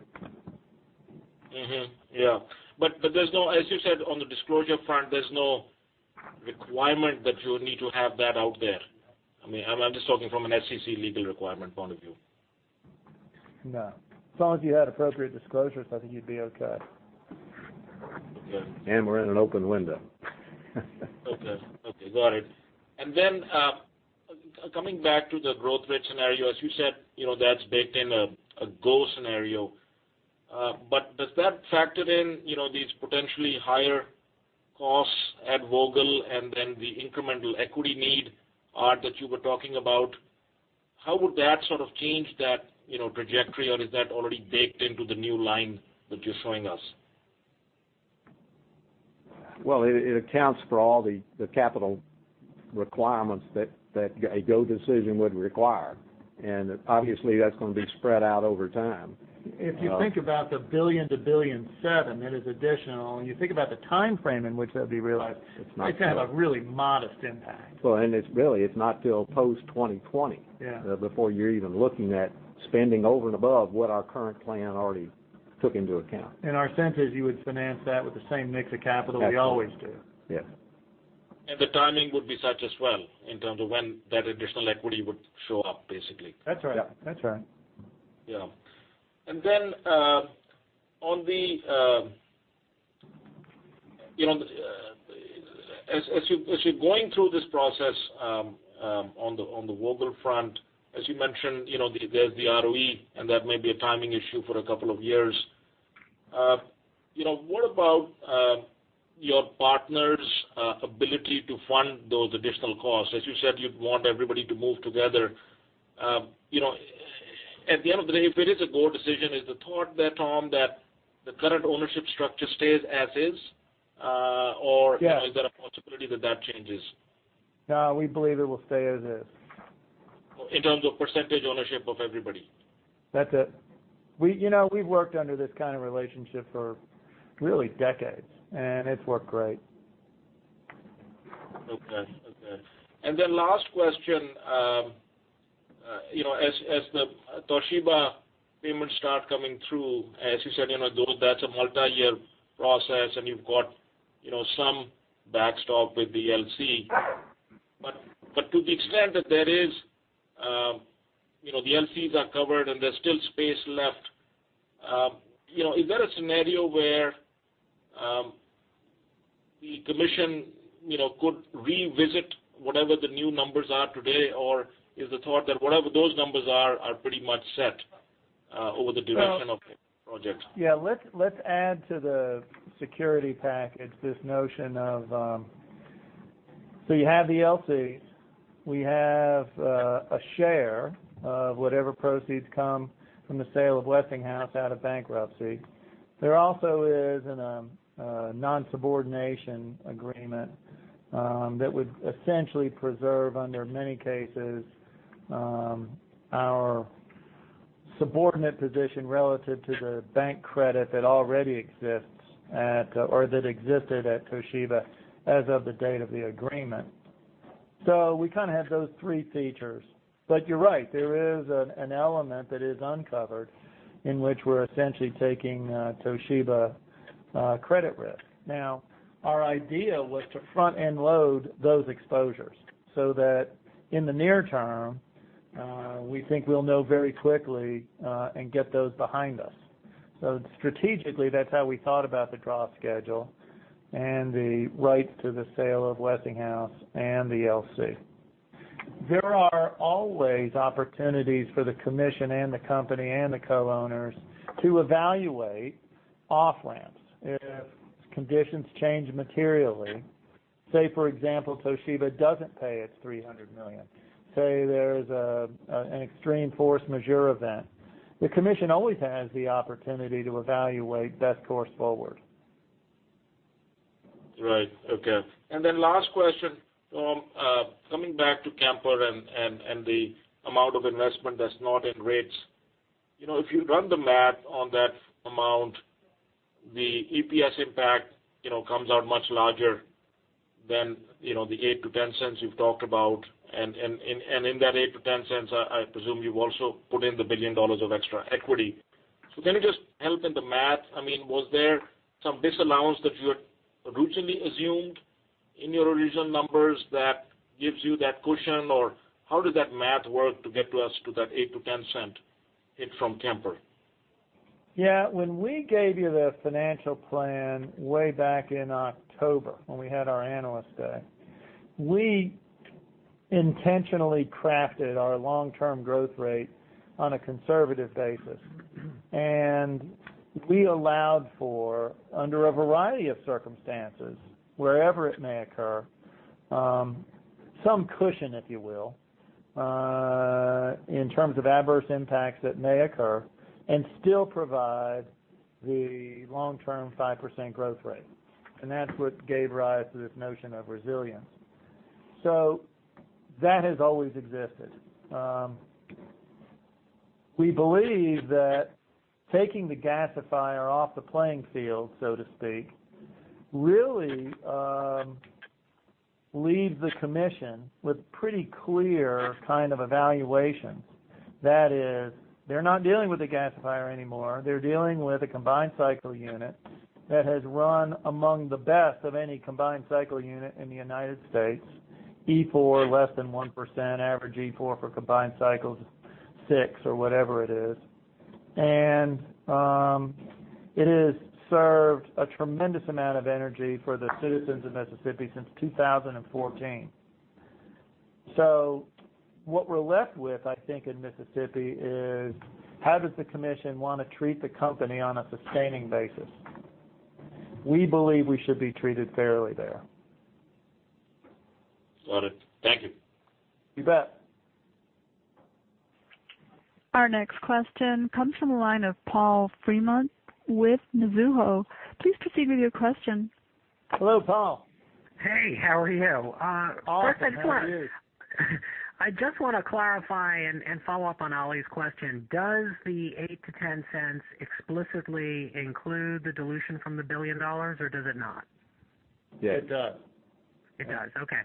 As you said, on the disclosure front, there's no requirement that you need to have that out there. I'm just talking from an SEC legal requirement point of view. No. As long as you had appropriate disclosures, I think you'd be okay. Okay. We're in an open window. Okay. Got it. Coming back to the growth rate scenario, as you said, that's baked in a go scenario. Does that factor in these potentially higher costs at Vogtle and then the incremental equity need, Art, that you were talking about? How would that sort of change that trajectory, or is that already baked into the new line that you're showing us? Well, it accounts for all the capital requirements that a go decision would require. Obviously, that's going to be spread out over time. If you think about the $1 billion-$7 billion that is additional, and you think about the timeframe in which that'd be realized. It's not soon. It's going to have a really modest impact. Really, it's not till post-2020. Yeah Before you're even looking at spending over and above what our current plan already took into account. Our sense is you would finance that with the same mix of capital we always do. Yes. The timing would be such as well, in terms of when that additional equity would show up, basically. That's right. Yeah. That's right. Yeah. Then, as you're going through this process on the Vogtle front, as you mentioned, there's the ROE, and that may be a timing issue for a couple of years. What about your partners' ability to fund those additional costs? As you said, you'd want everybody to move together. At the end of the day, if it is a go decision, is the thought there, Tom, that the current ownership structure stays as is? Or Yes Is there a possibility that changes? No, we believe it will stay as is. In terms of percentage ownership of everybody? That's it. We've worked under this kind of relationship for really decades, it's worked great. Okay. Last question. As the Toshiba payments start coming through, as you said, though that's a multi-year process and you've got some backstop with the LC. To the extent that the LCs are covered and there's still space left, is there a scenario where the commission could revisit whatever the new numbers are today? Is the thought that whatever those numbers are pretty much set over the direction of the project? Yeah. Let's add to the security package this notion of, you have the LCs. We have a share of whatever proceeds come from the sale of Westinghouse out of bankruptcy. There also is a non-subordination agreement that would essentially preserve, under many cases, our subordinate position relative to the bank credit that already exists at, or that existed at Toshiba as of the date of the agreement. We kind of have those three features. You're right, there is an element that is uncovered in which we're essentially taking Toshiba credit risk. Our idea was to front-end load those exposures so that in the near term, we think we'll know very quickly and get those behind us. Strategically, that's how we thought about the draw schedule and the right to the sale of Westinghouse and the LC. There are always opportunities for the commission and the company and the co-owners to evaluate off-ramps if conditions change materially. Say, for example, Toshiba doesn't pay its $300 million. Say there's an extreme force majeure event. The commission always has the opportunity to evaluate best course forward. Right. Okay. Last question, Tom. Coming back to Kemper and the amount of investment that's not in rates. If you run the math on that amount, the EPS impact comes out much larger than the $0.08-$0.10 you've talked about. In that $0.08-$0.10, I presume you've also put in the $1 billion of extra equity. Can you just help in the math? Was there some disallowance that you had originally assumed in your original numbers that gives you that cushion, or how did that math work to get to us to that $0.08-$0.10 hit from Kemper? Yeah. When we gave you the financial plan way back in October, when we had our Analyst Day, we intentionally crafted our long-term growth rate on a conservative basis. We allowed for, under a variety of circumstances, wherever it may occur, some cushion, if you will, in terms of adverse impacts that may occur and still provide the long-term 5% growth rate. That's what gave rise to this notion of resilience. That has always existed. We believe that taking the gasifier off the playing field, so to speak, really leaves the commission with pretty clear kind of evaluation. That is, they're not dealing with the gasifier anymore. They're dealing with a combined cycle unit that has run among the best of any combined cycle unit in the U.S. EFORd less than 1%, average EFORd for combined cycles, six or whatever it is. It has served a tremendous amount of energy for the citizens of Mississippi since 2014. What we're left with, I think, in Mississippi is how does the commission want to treat the company on a sustaining basis? We believe we should be treated fairly there. Got it. Thank you. You bet. Our next question comes from the line of Paul Fremont with Mizuho. Please proceed with your question. Hello, Paul. Hey, how are you? Awesome. How are you? I just want to clarify and follow up on Ali's question. Does the $0.08-$0.10 explicitly include the dilution from the $1 billion or does it not? Yes. It does. It does. Okay.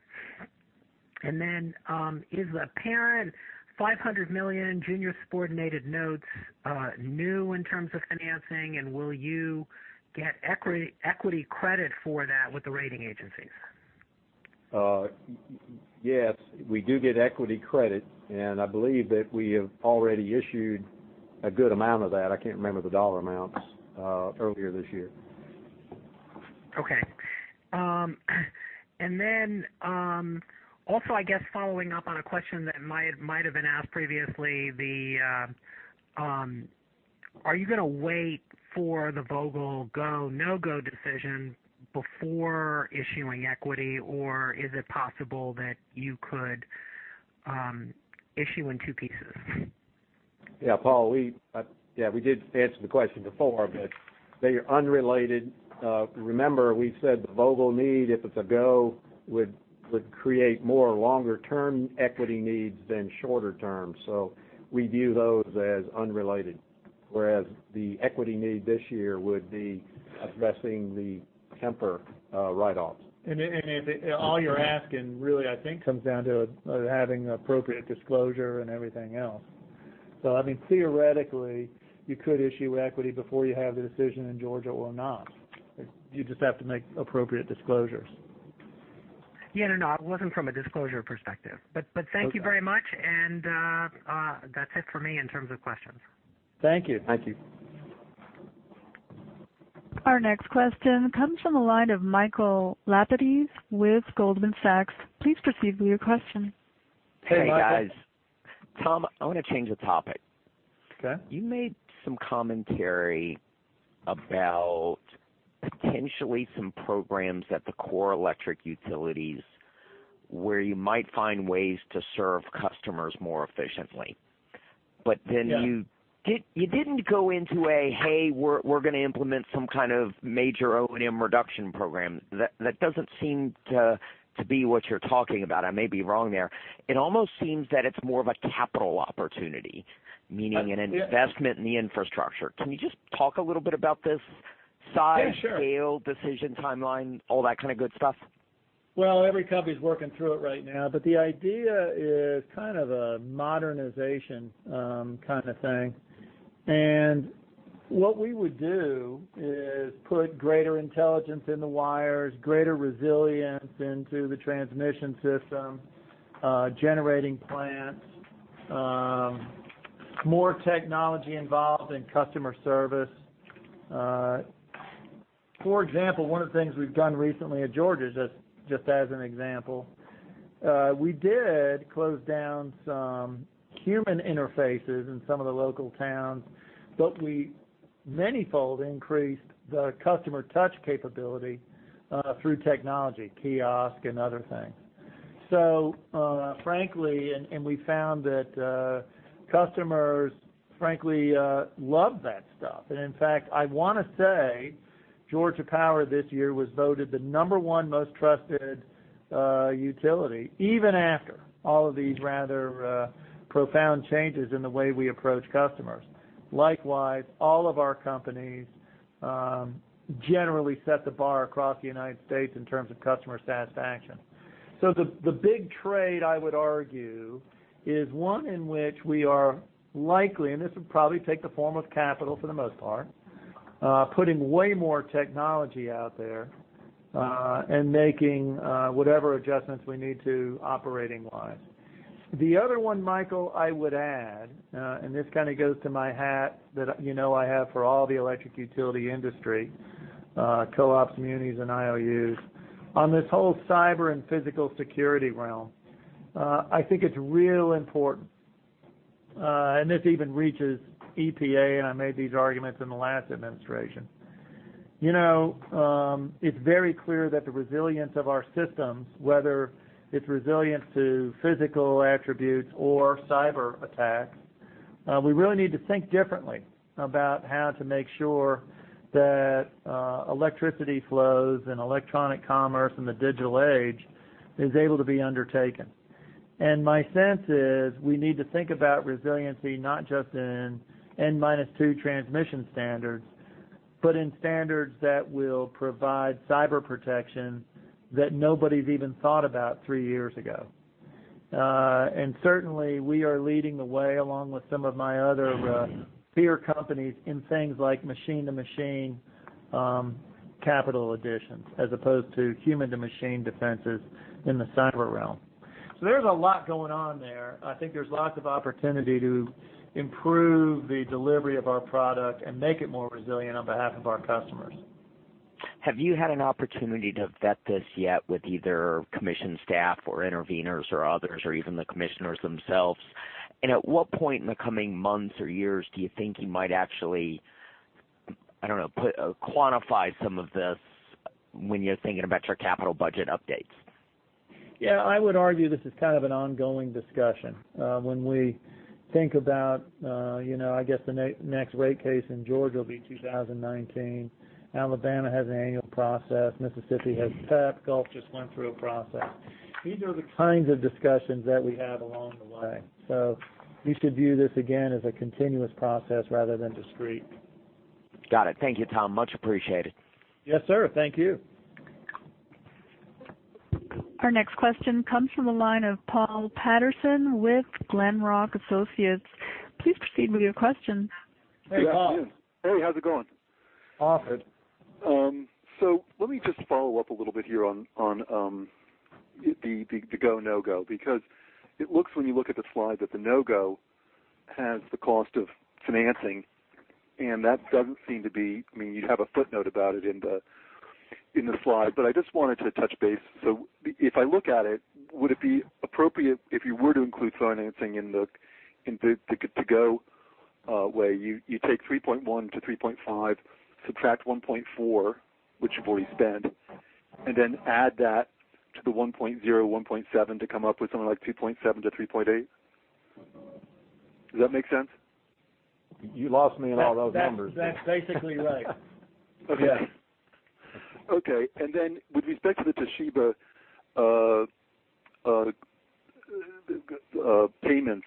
Is the parent $500 million junior subordinated notes new in terms of financing, and will you get equity credit for that with the rating agencies? Yes, we do get equity credit. I believe that we have already issued a good amount of that, I can't remember the dollar amounts, earlier this year. Okay. Also I guess following up on a question that might've been asked previously, are you going to wait for the Vogtle go, no go decision before issuing equity, or is it possible that you could issue in two pieces? Yeah, Paul, we did answer the question before, they are unrelated. Remember we said the Vogtle need, if it's a go, would create more longer-term equity needs than shorter term. We view those as unrelated, whereas the equity need this year would be addressing the Kemper write-offs. All you're asking really, I think, comes down to having appropriate disclosure and everything else. I mean, theoretically, you could issue equity before you have the decision in Georgia or not. You just have to make appropriate disclosures. Yeah. No, it wasn't from a disclosure perspective. Thank you very much. That's it for me in terms of questions. Thank you. Thank you. Our next question comes from the line of Michael Lapides with Goldman Sachs. Please proceed with your question. Hey, Michael. Hey, guys. Tom, I want to change the topic. Okay. You made some commentary about potentially some programs at the core electric utilities where you might find ways to serve customers more efficiently. Yeah You didn't go into a, "Hey, we're going to implement some kind of major O&M reduction program." That doesn't seem to be what you're talking about. I may be wrong there. It almost seems that it's more of a capital opportunity, meaning an investment in the infrastructure. Can you just talk a little bit about this? Yeah, sure scale, decision timeline, all that kind of good stuff? Well, every company's working through it right now. The idea is kind of a modernization kind of thing. What we would do is put greater intelligence in the wires, greater resilience into the transmission system, generating plants, more technology involved in customer service. For example, one of the things we've done recently at Georgia, just as an example, we did close down some human interfaces in some of the local towns, but we manyfold increased the customer touch capability through technology, kiosk and other things. Frankly, we found that customers frankly love that stuff. In fact, I want to say Georgia Power this year was voted the number one most trusted utility, even after all of these rather profound changes in the way we approach customers. Likewise, all of our companies generally set the bar across the United States in terms of customer satisfaction. The big trade I would argue is one in which we are likely, this would probably take the form of capital for the most part, putting way more technology out there, making whatever adjustments we need to operating-wise. The other one, Michael, I would add, this kind of goes to my hat that you know I have for all the electric utility industry, co-ops, munis, and IOUs. On this whole cyber and physical security realm, I think it's real important. This even reaches EPA, and I made these arguments in the last administration. It's very clear that the resilience of our systems, whether it's resilience to physical attributes or cyber attacks, we really need to think differently about how to make sure that electricity flows and electronic commerce in the digital age is able to be undertaken. My sense is we need to think about resiliency, not just in N-2 transmission standards, but in standards that will provide cyber protection that nobody's even thought about three years ago. Certainly we are leading the way, along with some of my other peer companies in things like machine-to-machine capital additions, as opposed to human-to-machine defenses in the cyber realm. There's a lot going on there. I think there's lots of opportunity to improve the delivery of our product and make it more resilient on behalf of our customers. Have you had an opportunity to vet this yet with either commission staff or interveners or others, or even the commissioners themselves? At what point in the coming months or years do you think you might actually, I don't know, quantify some of this when you're thinking about your capital budget updates? Yeah, I would argue this is kind of an ongoing discussion. When we think about, I guess the next rate case in Georgia will be 2019. Alabama has an annual process. Mississippi has TAP. Gulf just went through a process. These are the kinds of discussions that we have along the way. You should view this, again, as a continuous process rather than discrete. Got it. Thank you, Tom. Much appreciated. Yes, sir. Thank you. Our next question comes from the line of Paul Patterson with Glenrock Associates. Please proceed with your question. Hey, Paul. Hey, how's it going? Awesome. Let me just follow up a little bit here on the go/no-go, because it looks, when you look at the slide, that the no-go has the cost of financing, and that doesn't seem to be. You have a footnote about it in the slide, but I just wanted to touch base. If I look at it, would it be appropriate if you were to include financing in the go way? You take $3.1-$3.5, subtract $1.4, which you've already spent, and then add that to the $1.0, $1.7 to come up with something like $2.7-$3.8? Does that make sense? You lost me in all those numbers. That's basically right. Okay. With respect to the Toshiba payments,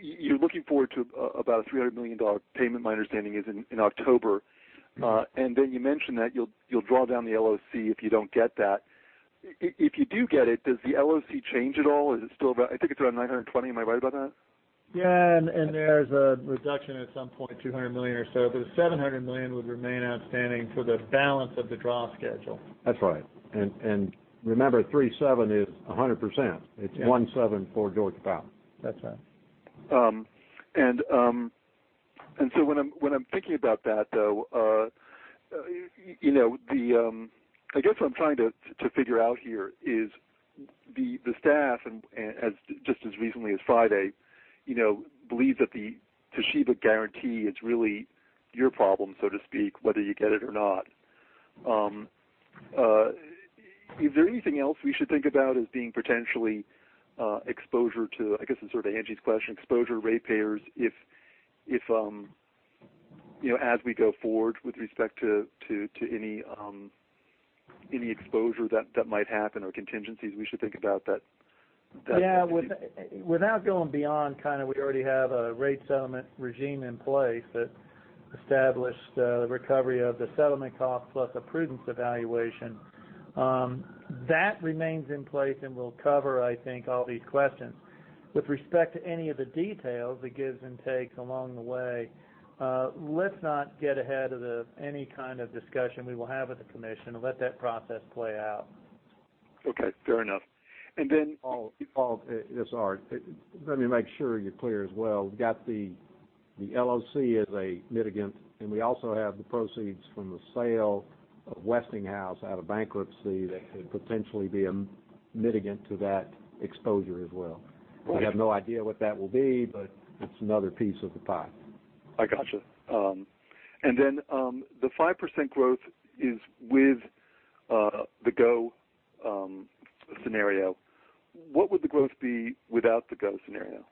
you're looking forward to about a $300 million payment, my understanding is, in October. You mentioned that you'll draw down the LOC if you don't get that. If you do get it, does the LOC change at all? Is it still about, I think it's around $920. Am I right about that? Yeah. There's a reduction at some point, $200 million or so, but $700 million would remain outstanding for the balance of the draw schedule. That's right. Remember, three seven is 100%. It's one seven for Georgia Power. That's right. When I'm thinking about that, though, I guess what I'm trying to figure out here is the staff and just as recently as Friday, believe that the Toshiba guarantee is really your problem, so to speak, whether you get it or not. Is there anything else we should think about as being potentially exposure to, I guess this is sort of Angie's question, exposure ratepayers as we go forward with respect to any exposure that might happen or contingencies we should think about. Yeah. Without going beyond, we already have a rate settlement regime in place that established the recovery of the settlement cost plus a prudence evaluation. That remains in place and will cover, I think, all these questions. With respect to any of the details, the gives and takes along the way, let's not get ahead of any kind of discussion we will have with the commission and let that process play out. Okay, fair enough. Paul, it's Art. Let me make sure you're clear as well. We've got the LOC as a mitigant, and we also have the proceeds from the sale of Westinghouse out of bankruptcy that could potentially be a mitigant to that exposure as well. We have no idea what that will be, but it's another piece of the pie. I gotcha. The 5% growth is with the go scenario. What would the growth be without the go scenario?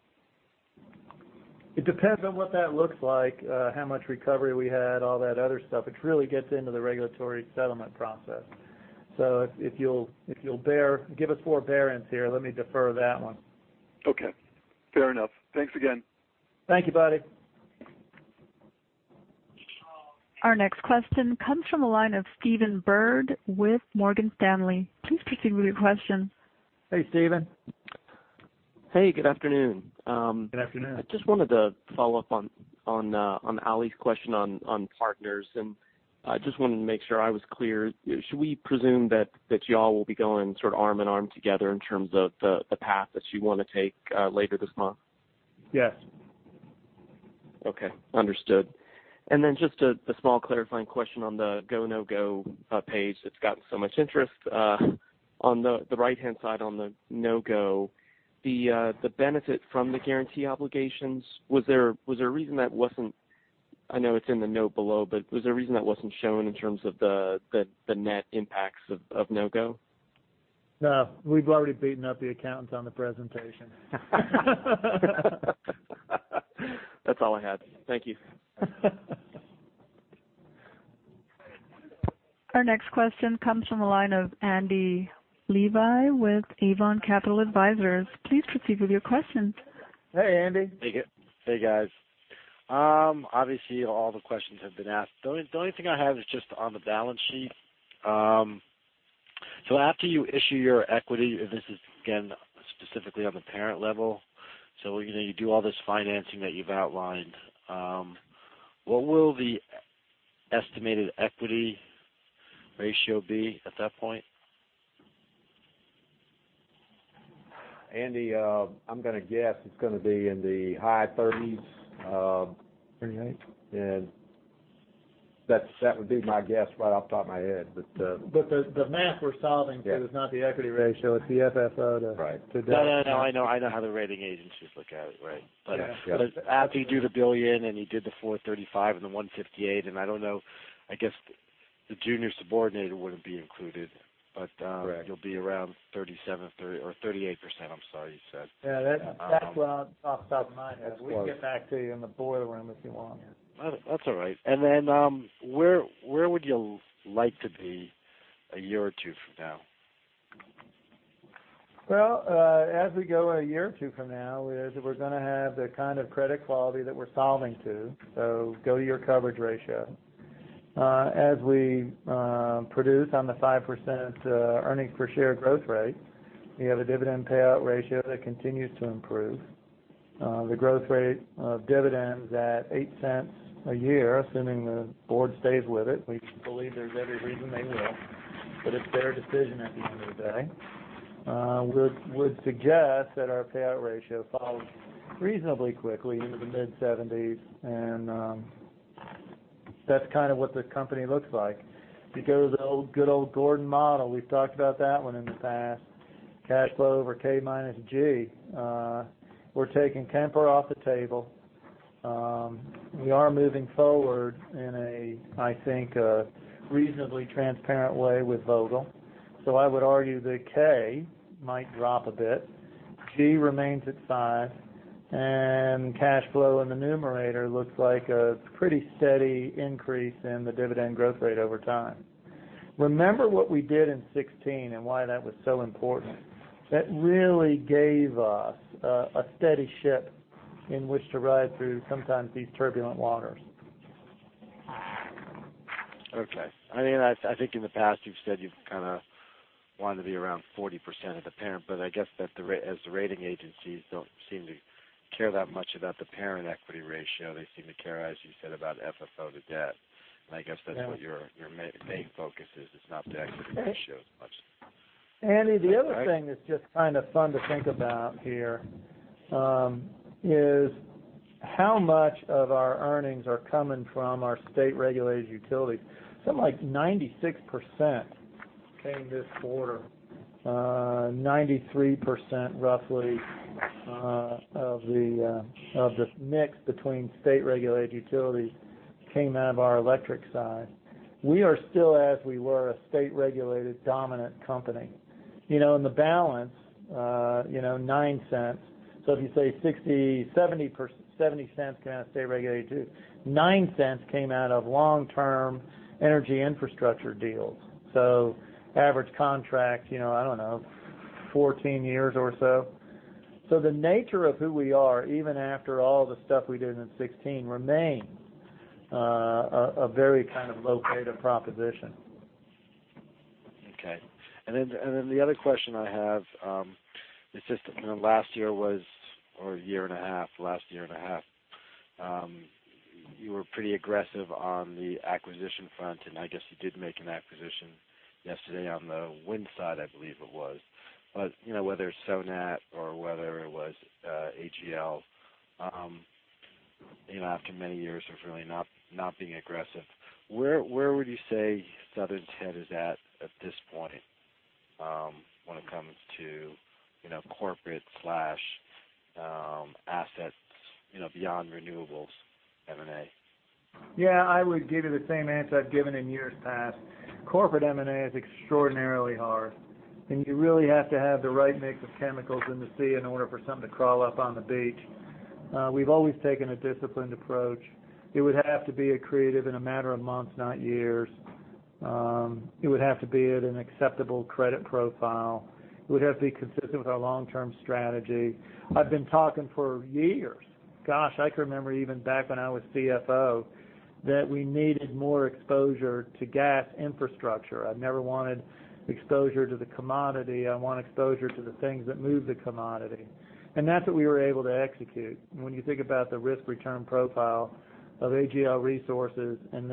It depends on what that looks like, how much recovery we had, all that other stuff. It really gets into the regulatory settlement process. If you'll give us forbearance here, let me defer that one. Okay. Fair enough. Thanks again. Thank you, buddy. Our next question comes from the line of Stephen Byrd with Morgan Stanley. Please proceed with your question. Hey, Stephen. Hey, good afternoon. Good afternoon. I just wanted to follow up on Ali's question on partners, and I just wanted to make sure I was clear. Should we presume that you all will be going sort of arm in arm together in terms of the path that you want to take later this month? Yes. Okay. Understood. Just a small clarifying question on the go/no-go page that's got so much interest. On the right-hand side on the no-go, the benefit from the guarantee obligations, was there a reason that wasn't shown in terms of the net impacts of no-go? No, we've already beaten up the accountants on the presentation. That's all I had. Thank you. Our next question comes from the line of Andrew Levi with Avon Capital Advisors. Please proceed with your question. Hey, Andy. Hey. Hey, guys. Obviously all the questions have been asked. The only thing I have is just on the balance sheet. After you issue your equity, this is again, specifically on the parent level. You do all this financing that you've outlined. What will the estimated equity ratio be at that point? Andy, I'm going to guess it's going to be in the high 30s. 38? That would be my guess right off the top of my head. The math we're solving to is not the equity ratio, it's the FFO to debt. No, I know how the rating agencies look at it. Right. Yes. After you do the $1 billion and you did the $435 and the $158, and I don't know, I guess the junior subordinated wouldn't be included. Correct. You'll be around 37% or 38%, I'm sorry, you said. Yeah. That's what I'm talking about in mind. We can get back to you in the boardroom if you want. That's all right. Where would you like to be a year or two from now? Well, as we go a year or two from now is we're going to have the kind of credit quality that we're solving to. Go to your coverage ratio. As we produce on the 5% earnings per share growth rate, we have a dividend payout ratio that continues to improve. The growth rate of dividends at $0.08 a year, assuming the board stays with it, we believe there's every reason they will. It's their decision at the end of the day. Would suggest that our payout ratio falls reasonably quickly into the mid-70s. That's kind of what the company looks like. If you go to the good old Gordon model, we've talked about that one in the past. Cash flow over K minus G. We're taking Kemper off the table. We are moving forward in a, I think, reasonably transparent way with Vogtle. I would argue the K might drop a bit. G remains at five, cash flow in the numerator looks like a pretty steady increase in the dividend growth rate over time. Remember what we did in 2016 and why that was so important. That really gave us a steady ship in which to ride through sometimes these turbulent waters. Okay. I think in the past you've said you've kind of wanted to be around 40% of the parent, but I guess that as the rating agencies don't seem to care that much about the parent equity ratio, they seem to care, as you said, about FFO to debt. I guess that's what your main focus is. It's not the equity ratio as much. Andy, the other thing that's just kind of fun to think about here, is how much of our earnings are coming from our state-regulated utilities. Something like 96% came this quarter. 93%, roughly, of this mix between state-regulated utilities came out of our electric side. We are still as we were, a state-regulated dominant company. In the balance, $0.09. If you say $0.70 came out of state-regulated, $0.09 came out of long-term energy infrastructure deals. Average contract, I don't know, 14 years or so. The nature of who we are, even after all the stuff we did in 2016, remains a very kind of lucrative proposition. Okay. The other question I have, last year was, or a year and a half, you were pretty aggressive on the acquisition front, and I guess you did make an acquisition yesterday on the wind side, I believe it was. Whether it's Sonat or whether it was AGL, after many years of really not being aggressive, where would you say Southern's head is at this point when it comes to corporate/assets beyond renewables, M&A? Yeah, I would give you the same answer I've given in years past. Corporate M&A is extraordinarily hard, and you really have to have the right mix of chemicals in the sea in order for something to crawl up on the beach. We've always taken a disciplined approach. It would have to be accretive in a matter of months, not years. It would have to be at an acceptable credit profile. It would have to be consistent with our long-term strategy. I've been talking for years, gosh, I can remember even back when I was CFO, that we needed more exposure to gas infrastructure. I've never wanted exposure to the commodity. I want exposure to the things that move the commodity. That's what we were able to execute. When you think about the risk-return profile of AGL Resources and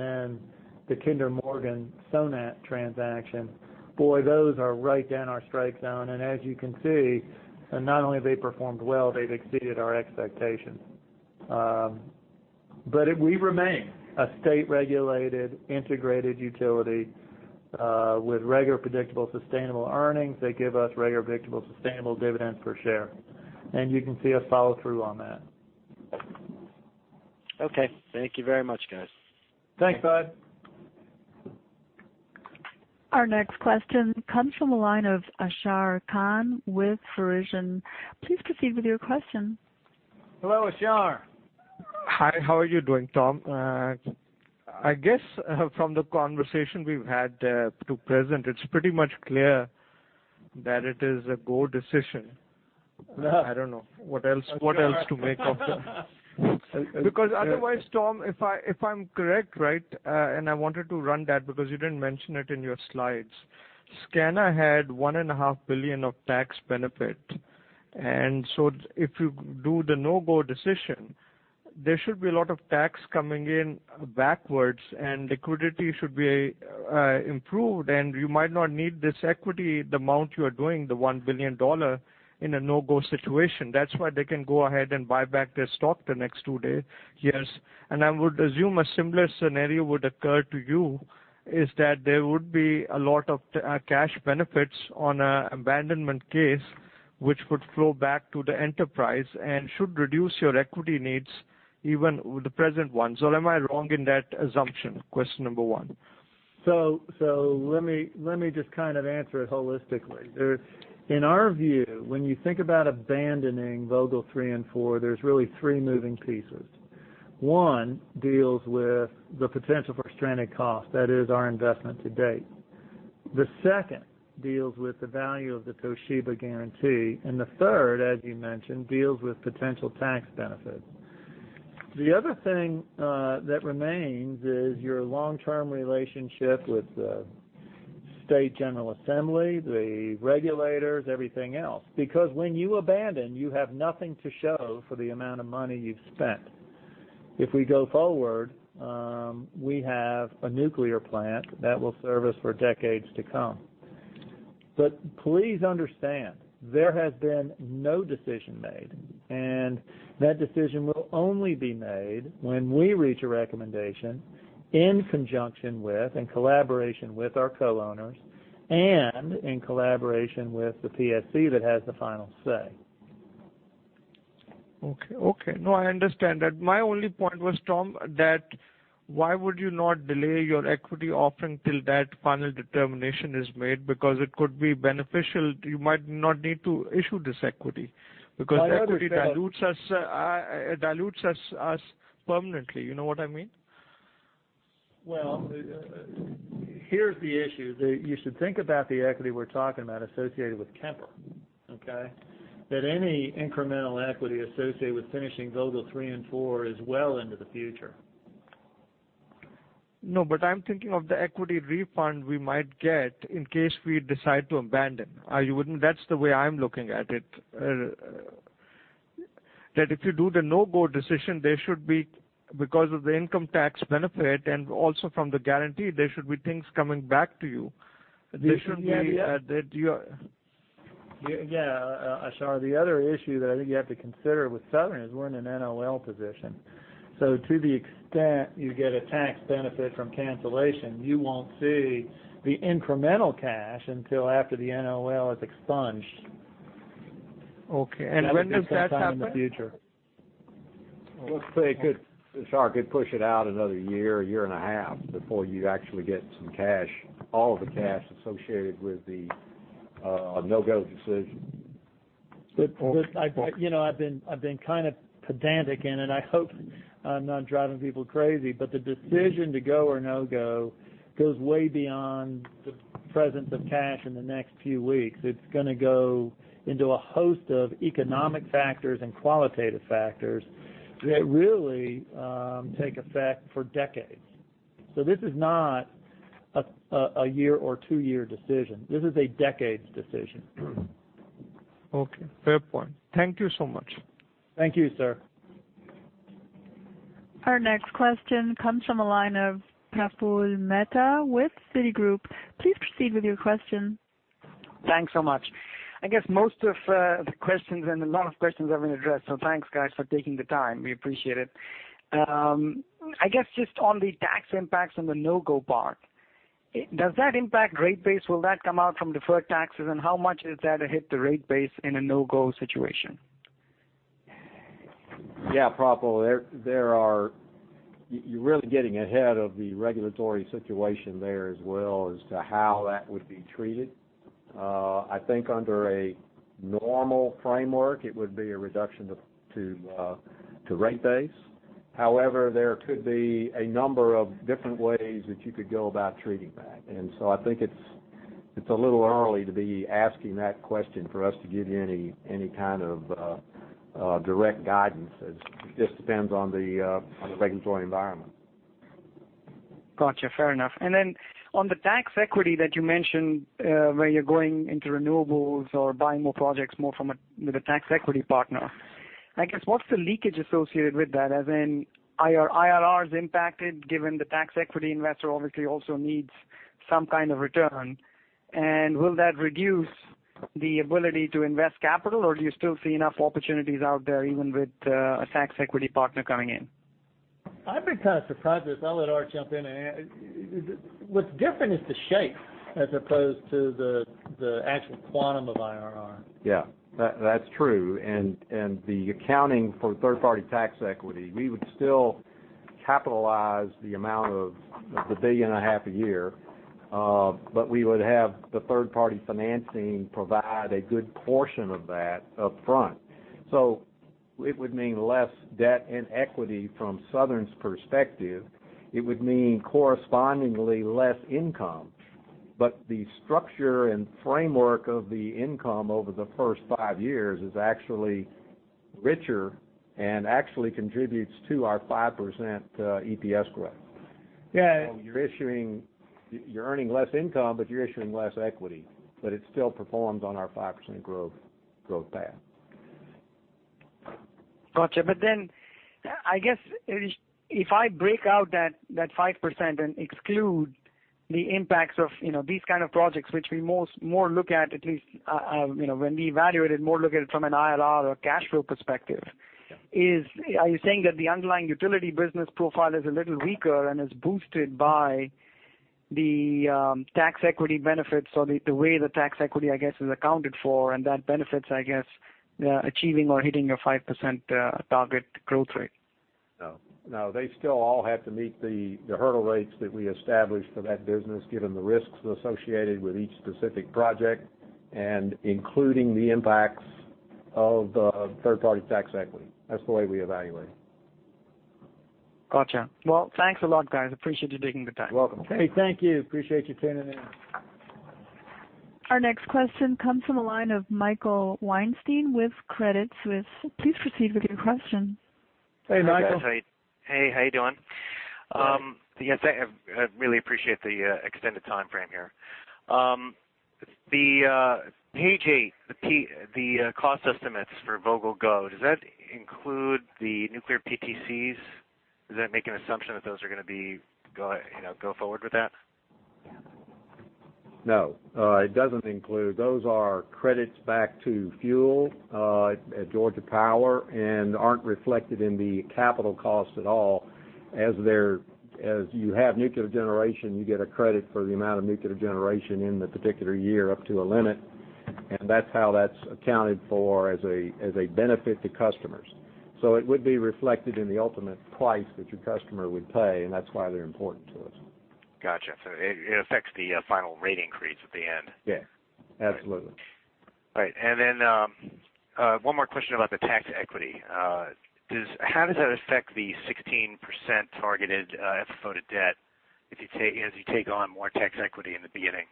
the Kinder Morgan Sonat transaction, boy, those are right down our strike zone. As you can see, not only have they performed well, they've exceeded our expectations. We remain a state-regulated, integrated utility, with regular, predictable, sustainable earnings that give us regular, predictable, sustainable dividends per share. You can see us follow through on that. Okay. Thank you very much, guys. Thanks, Bud. Our next question comes from the line of Ashar Khan with Verition. Please proceed with your question. Hello, Ashar. Hi. How are you doing, Tom? I guess from the conversation we've had to present, it's pretty much clear that it is a go decision. I don't know what else to make of that. Otherwise, Tom, if I'm correct, right? I wanted to run that because you didn't mention it in your slides. SCANA had one and a half billion of tax benefit. If you do the no-go decision There should be a lot of tax coming in backwards and liquidity should be improved, and you might not need this equity, the amount you are doing, the $1 billion, in a no-go situation. That's why they can go ahead and buy back their stock the next two years. I would assume a similar scenario would occur to you, is that there would be a lot of cash benefits on an abandonment case, which would flow back to the enterprise and should reduce your equity needs even with the present ones. Or am I wrong in that assumption? Question number 1. Let me just kind of answer it holistically. In our view, when you think about abandoning Vogtle three and four, there's really three moving pieces. One deals with the potential for stranded cost. That is our investment to date. The second deals with the value of the Toshiba guarantee, and the third, as you mentioned, deals with potential tax benefits. The other thing that remains is your long-term relationship with the state general assembly, the regulators, everything else. When you abandon, you have nothing to show for the amount of money you've spent. If we go forward, we have a nuclear plant that will serve us for decades to come. Please understand, there has been no decision made, and that decision will only be made when we reach a recommendation in conjunction with and collaboration with our co-owners and in collaboration with the PSC that has the final say. Okay. No, I understand that. My only point was, Tom, that why would you not delay your equity offering till that final determination is made? Because it could be beneficial. You might not need to issue this equity because- I understand equity dilutes us permanently. You know what I mean? Here's the issue. You should think about the equity we're talking about associated with Kemper. Okay? That any incremental equity associated with finishing Vogtle 3 and 4 is well into the future. I'm thinking of the equity refund we might get in case we decide to abandon. That's the way I'm looking at it. If you do the no-go decision, there should be, because of the income tax benefit and also from the guarantee, there should be things coming back to you. Ashar, the other issue that I think you have to consider with Southern is we're in an NOL position. To the extent you get a tax benefit from cancellation, you won't see the incremental cash until after the NOL is expunged. Okay. When does that happen? That would be sometime in the future. Let's say, Ashar, could push it out another year and a half before you'd actually get some cash, all the cash associated with the no-go decision. I've been kind of pedantic, and I hope I'm not driving people crazy, but the decision to go or no-go goes way beyond the presence of cash in the next few weeks. It's going to go into a host of economic factors and qualitative factors that really take effect for decades. This is not a year or two-year decision. This is a decades decision. Okay. Fair point. Thank you so much. Thank you, sir. Our next question comes from the line of Praful Mehta with Citigroup. Please proceed with your question. Thanks so much. I guess most of the questions and a lot of questions have been addressed, thanks, guys, for taking the time. We appreciate it. I guess just on the tax impacts on the no-go part, does that impact rate base? Will that come out from deferred taxes, and how much is that to hit the rate base in a no-go situation? Yeah, Praful. You're really getting ahead of the regulatory situation there as well as to how that would be treated. I think under a normal framework, it would be a reduction to rate base. However, there could be a number of different ways that you could go about treating that. I think it's a little early to be asking that question for us to give you any kind of direct guidance as it just depends on the regulatory environment. Got you. Fair enough. On the tax equity that you mentioned where you're going into renewables or buying more projects more with a tax equity partner. I guess, what's the leakage associated with that? As in, are IRRs impacted given the tax equity investor obviously also needs some kind of return? Will that reduce the ability to invest capital, or do you still see enough opportunities out there even with a tax equity partner coming in? I've been kind of surprised with this. I'll let Art jump in. What's different is the shape as opposed to the actual quantum of IRR. Yeah. That's true. The accounting for third-party tax equity, we would still capitalize the amount of the billion and a half a year, but we would have the third-party financing provide a good portion of that up front. It would mean less debt and equity from Southern's perspective. It would mean correspondingly less income. The structure and framework of the income over the first five years is actually richer and actually contributes to our 5% EPS growth. Yeah. You're earning less income, but you're issuing less equity, but it still performs on our 5% EPS growth path. Got you. I guess if I break out that 5% and exclude the impacts of these kind of projects, which we more look at least when we evaluate it, more look at it from an IRR or cash flow perspective. Yeah. Are you saying that the underlying utility business profile is a little weaker and is boosted by the tax equity benefits or the way the tax equity, I guess, is accounted for and that benefits, I guess, achieving or hitting a 5% target growth rate? No. They still all have to meet the hurdle rates that we established for that business, given the risks associated with each specific project and including the impacts of third-party tax equity. That's the way we evaluate it. Got you. Thanks a lot, guys. Appreciate you taking the time. You're welcome. Hey, thank you. Appreciate you tuning in. Our next question comes from the line of Michael Weinstein with Credit Suisse. Please proceed with your question. Hey, Michael. Hey, guys. Hey, how you doing? Good. Yes, I really appreciate the extended timeframe here. The page eight, the cost estimates for Vogtle go, does that include the nuclear PTCs? Does that make an assumption that those are going to go forward with that? No, it doesn't include. Those are credits back to fuel at Georgia Power and aren't reflected in the capital cost at all. As you have nuclear generation, you get a credit for the amount of nuclear generation in the particular year up to a limit. That's how that's accounted for as a benefit to customers. It would be reflected in the ultimate price that your customer would pay, and that's why they're important to us. Got you. It affects the final rate increase at the end. Yeah. Absolutely. All right. Then one more question about the tax equity. How does that affect the 16% targeted FFO to debt as you take on more tax equity in the beginning?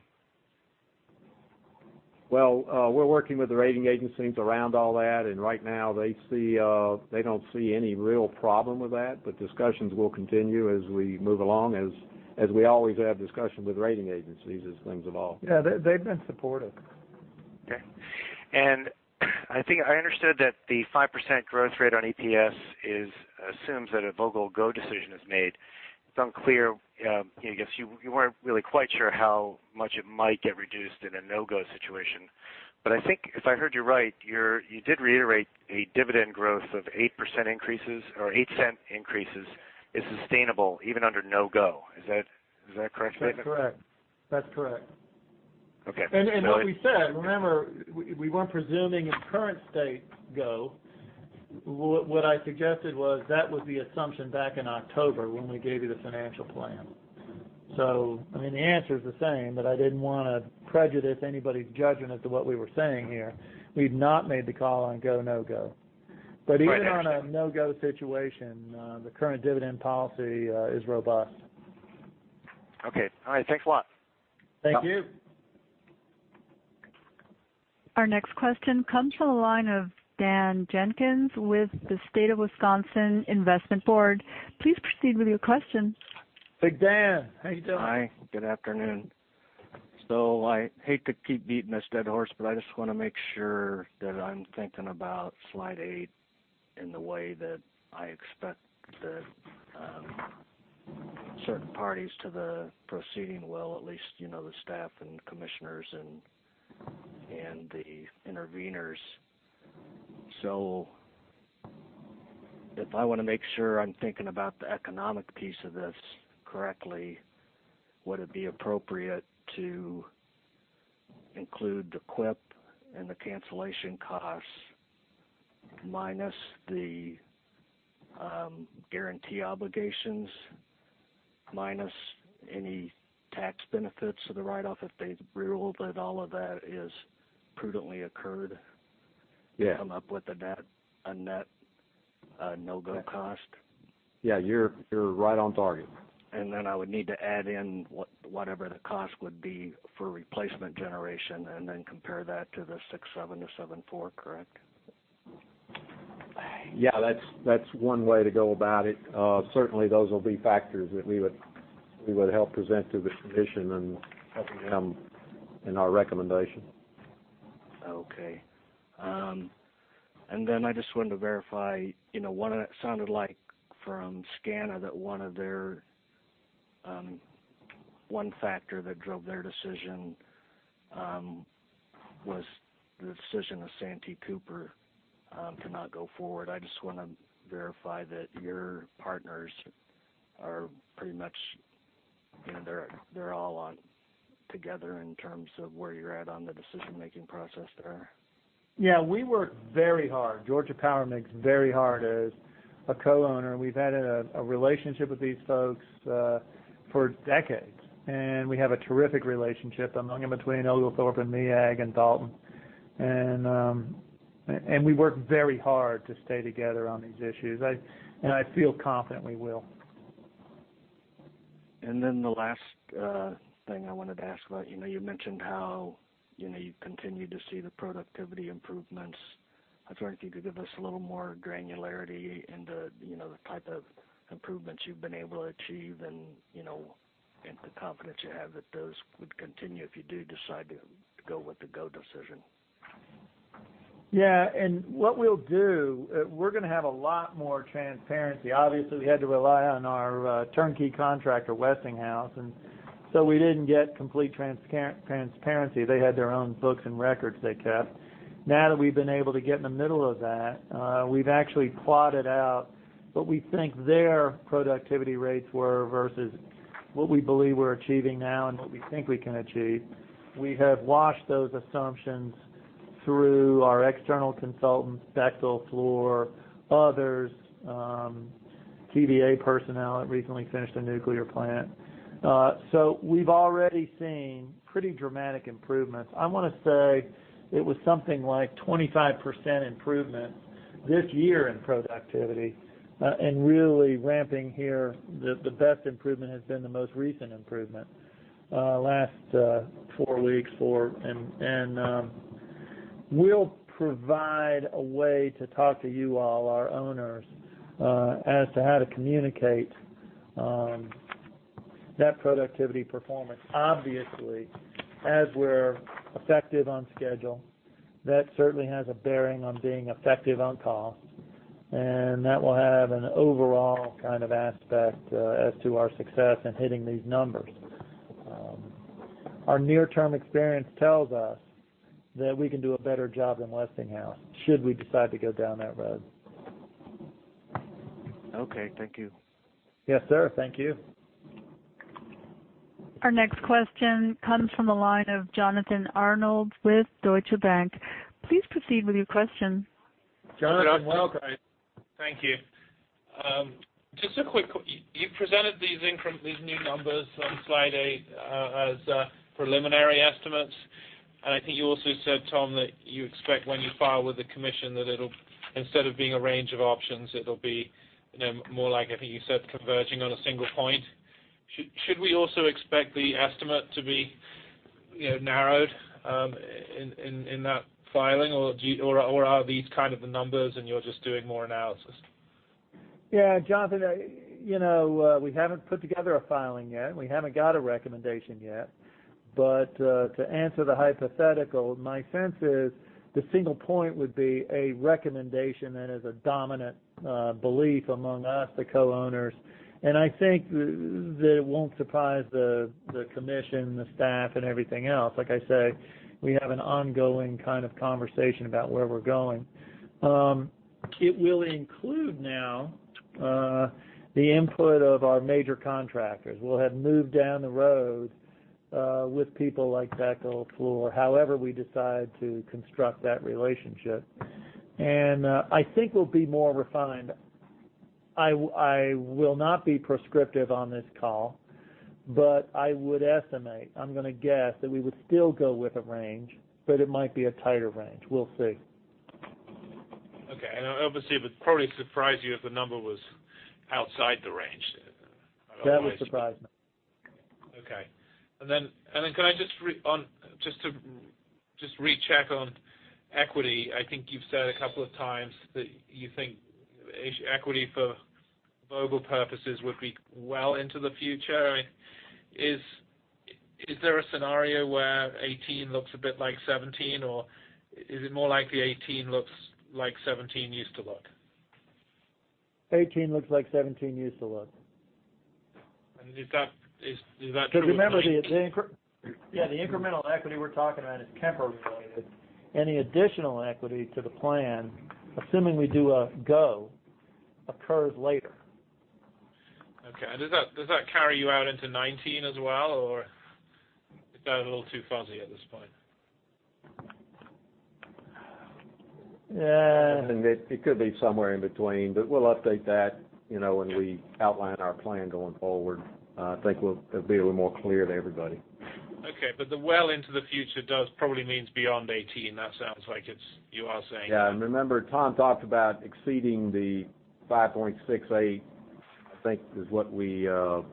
Well, we're working with the rating agencies around all that, right now they don't see any real problem with that. Discussions will continue as we move along, as we always have discussion with rating agencies as things evolve. Yeah, they've been supportive. Okay. I think I understood that the 5% growth rate on EPS assumes that a Vogtle go decision is made. It's unclear, I guess you weren't really quite sure how much it might get reduced in a no-go situation. I think if I heard you right, you did reiterate a dividend growth of 8% increases or $0.08 increases is sustainable even under no-go. Is that correct statement? That's correct. Okay. Like we said, remember, we weren't presuming in current state go. What I suggested was that was the assumption back in October when we gave you the financial plan. The answer is the same. I didn't want to prejudice anybody's judgment as to what we were saying here. We've not made the call on go, no-go. Right. Understood. Even on a no-go situation, the current dividend policy is robust. Okay. All right. Thanks a lot. Thank you. Our next question comes from the line of Dan Jenkins with the State of Wisconsin Investment Board. Please proceed with your question. Hey, Dan. How are you doing? Hi, good afternoon. I hate to keep beating this dead horse, but I just want to make sure that I'm thinking about slide eight in the way that I expect that certain parties to the proceeding will, at least, the staff and commissioners and the interveners. If I want to make sure I'm thinking about the economic piece of this correctly, would it be appropriate to include the CWIP and the cancellation costs minus the guarantee obligations, minus any tax benefits of the write-off if they've ruled that all of that is prudently occurred? Yeah. Come up with a net no-go cost? Yeah, you're right on target. I would need to add in whatever the cost would be for replacement generation and then compare that to the $6.7-$7.4, correct? Yeah, that's one way to go about it. Certainly, those will be factors that we would help present to the commission and help them in our recommendation. Okay. I just wanted to verify, what it sounded like from SCANA that one factor that drove their decision was the decision of Santee Cooper to not go forward. I just want to verify that your partners are pretty much all on together in terms of where you're at on the decision-making process there. Yeah, we work very hard. Georgia Power works very hard as a co-owner. We've had a relationship with these folks for decades, and we have a terrific relationship among and between Oglethorpe and MEAG and Dalton. We work very hard to stay together on these issues. I feel confident we will. The last thing I wanted to ask about. You mentioned how you continue to see the productivity improvements I was wondering if you could give us a little more granularity into the type of improvements you've been able to achieve and the confidence you have that those would continue if you do decide to go with the go decision. Yeah. What we'll do, we're going to have a lot more transparency. Obviously, we had to rely on our turnkey contractor, Westinghouse, we didn't get complete transparency. They had their own books and records they kept. Now that we've been able to get in the middle of that, we've actually plotted out what we think their productivity rates were versus what we believe we're achieving now and what we think we can achieve. We have washed those assumptions through our external consultants, Bechtel, Fluor, others, TVA personnel that recently finished a nuclear plant. We've already seen pretty dramatic improvements. I want to say it was something like 25% improvement this year in productivity, and really ramping here, the best improvement has been the most recent improvement, last four weeks. We'll provide a way to talk to you all, our owners, as to how to communicate that productivity performance. Obviously, as we're effective on schedule, that certainly has a bearing on being effective on cost, and that will have an overall kind of aspect as to our success in hitting these numbers. Our near-term experience tells us that we can do a better job than Westinghouse, should we decide to go down that road. Okay. Thank you. Yes, sir. Thank you. Our next question comes from the line of Jonathan Arnold with Deutsche Bank. Please proceed with your question. Jonathan, welcome. Thank you. Just a quick one. You presented these new numbers on slide eight as preliminary estimates, and I think you also said, Tom, that you expect when you file with the commission that it'll, instead of being a range of options, it'll be more like, I think you said, converging on a single point. Should we also expect the estimate to be narrowed in that filing, or are these kind of the numbers and you're just doing more analysis? Yeah. Jonathan, we haven't put together a filing yet. We haven't got a recommendation yet. To answer the hypothetical, my sense is the single point would be a recommendation that is a dominant belief among us, the co-owners. I think that it won't surprise the commission, the staff and everything else. Like I say, we have an ongoing kind of conversation about where we're going. It will include now the input of our major contractors. We'll have moved down the road, with people like Bechtel, Fluor, however we decide to construct that relationship. I think we'll be more refined. I will not be prescriptive on this call, but I would estimate, I'm going to guess that we would still go with a range, but it might be a tighter range. We'll see. Okay. Obviously, it would probably surprise you if the number was outside the range. That would surprise me. Okay. Then can I just recheck on equity. I think you've said a couple of times that you think equity for Vogtle purposes would be well into the future. Is there a scenario where 2018 looks a bit like 2017, or is it more like the 2018 looks like 2017 used to look? 2018 looks like 2017 used to look. Is that- Remember, the incremental equity we're talking about is Kemper related. Any additional equity to the plan, assuming we do a go, occurs later. Okay. Does that carry you out into 2019 as well, or is that a little too fuzzy at this point? Yeah. I think it could be somewhere in between. We'll update that when we outline our plan going forward. I think it'll be a little more clear to everybody. Okay. The well into the future does probably means beyond 2018. That sounds like you are saying. Yeah. Remember, Tom talked about exceeding the $5.68, I think is [what we announced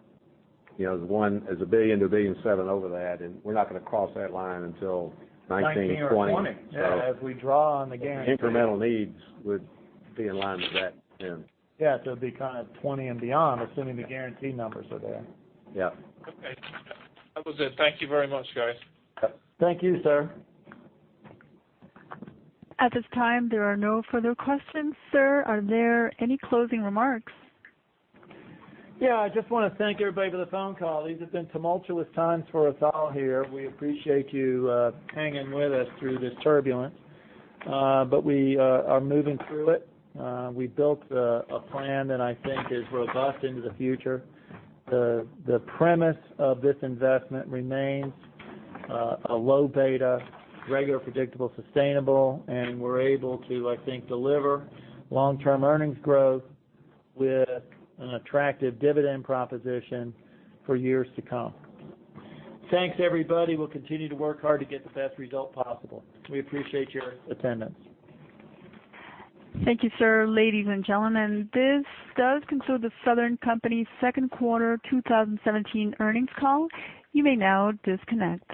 as] $1 billion-$1.7 billion over that. We're not going to cross that line until 2019 or 2020. 2019 or 2020. Yeah, as we draw on the guarantee. The incremental needs would be in line with that then. Yeah. It'd be kind of 2020 and beyond, assuming the guarantee numbers are there. Yep. Okay. That was it. Thank you very much, guys. Thank you, sir. At this time, there are no further questions. Sir, are there any closing remarks? Yeah. I just want to thank everybody for the phone call. These have been tumultuous times for us all here. We appreciate you hanging with us through this turbulence. We are moving through it. We built a plan that I think is robust into the future. The premise of this investment remains a low beta, regular, predictable, sustainable, and we're able to, I think, deliver long-term earnings growth with an attractive dividend proposition for years to come. Thanks, everybody. We'll continue to work hard to get the best result possible. We appreciate your attendance. Thank you, sir. Ladies and gentlemen, this does conclude The Southern Company second quarter 2017 earnings call. You may now disconnect.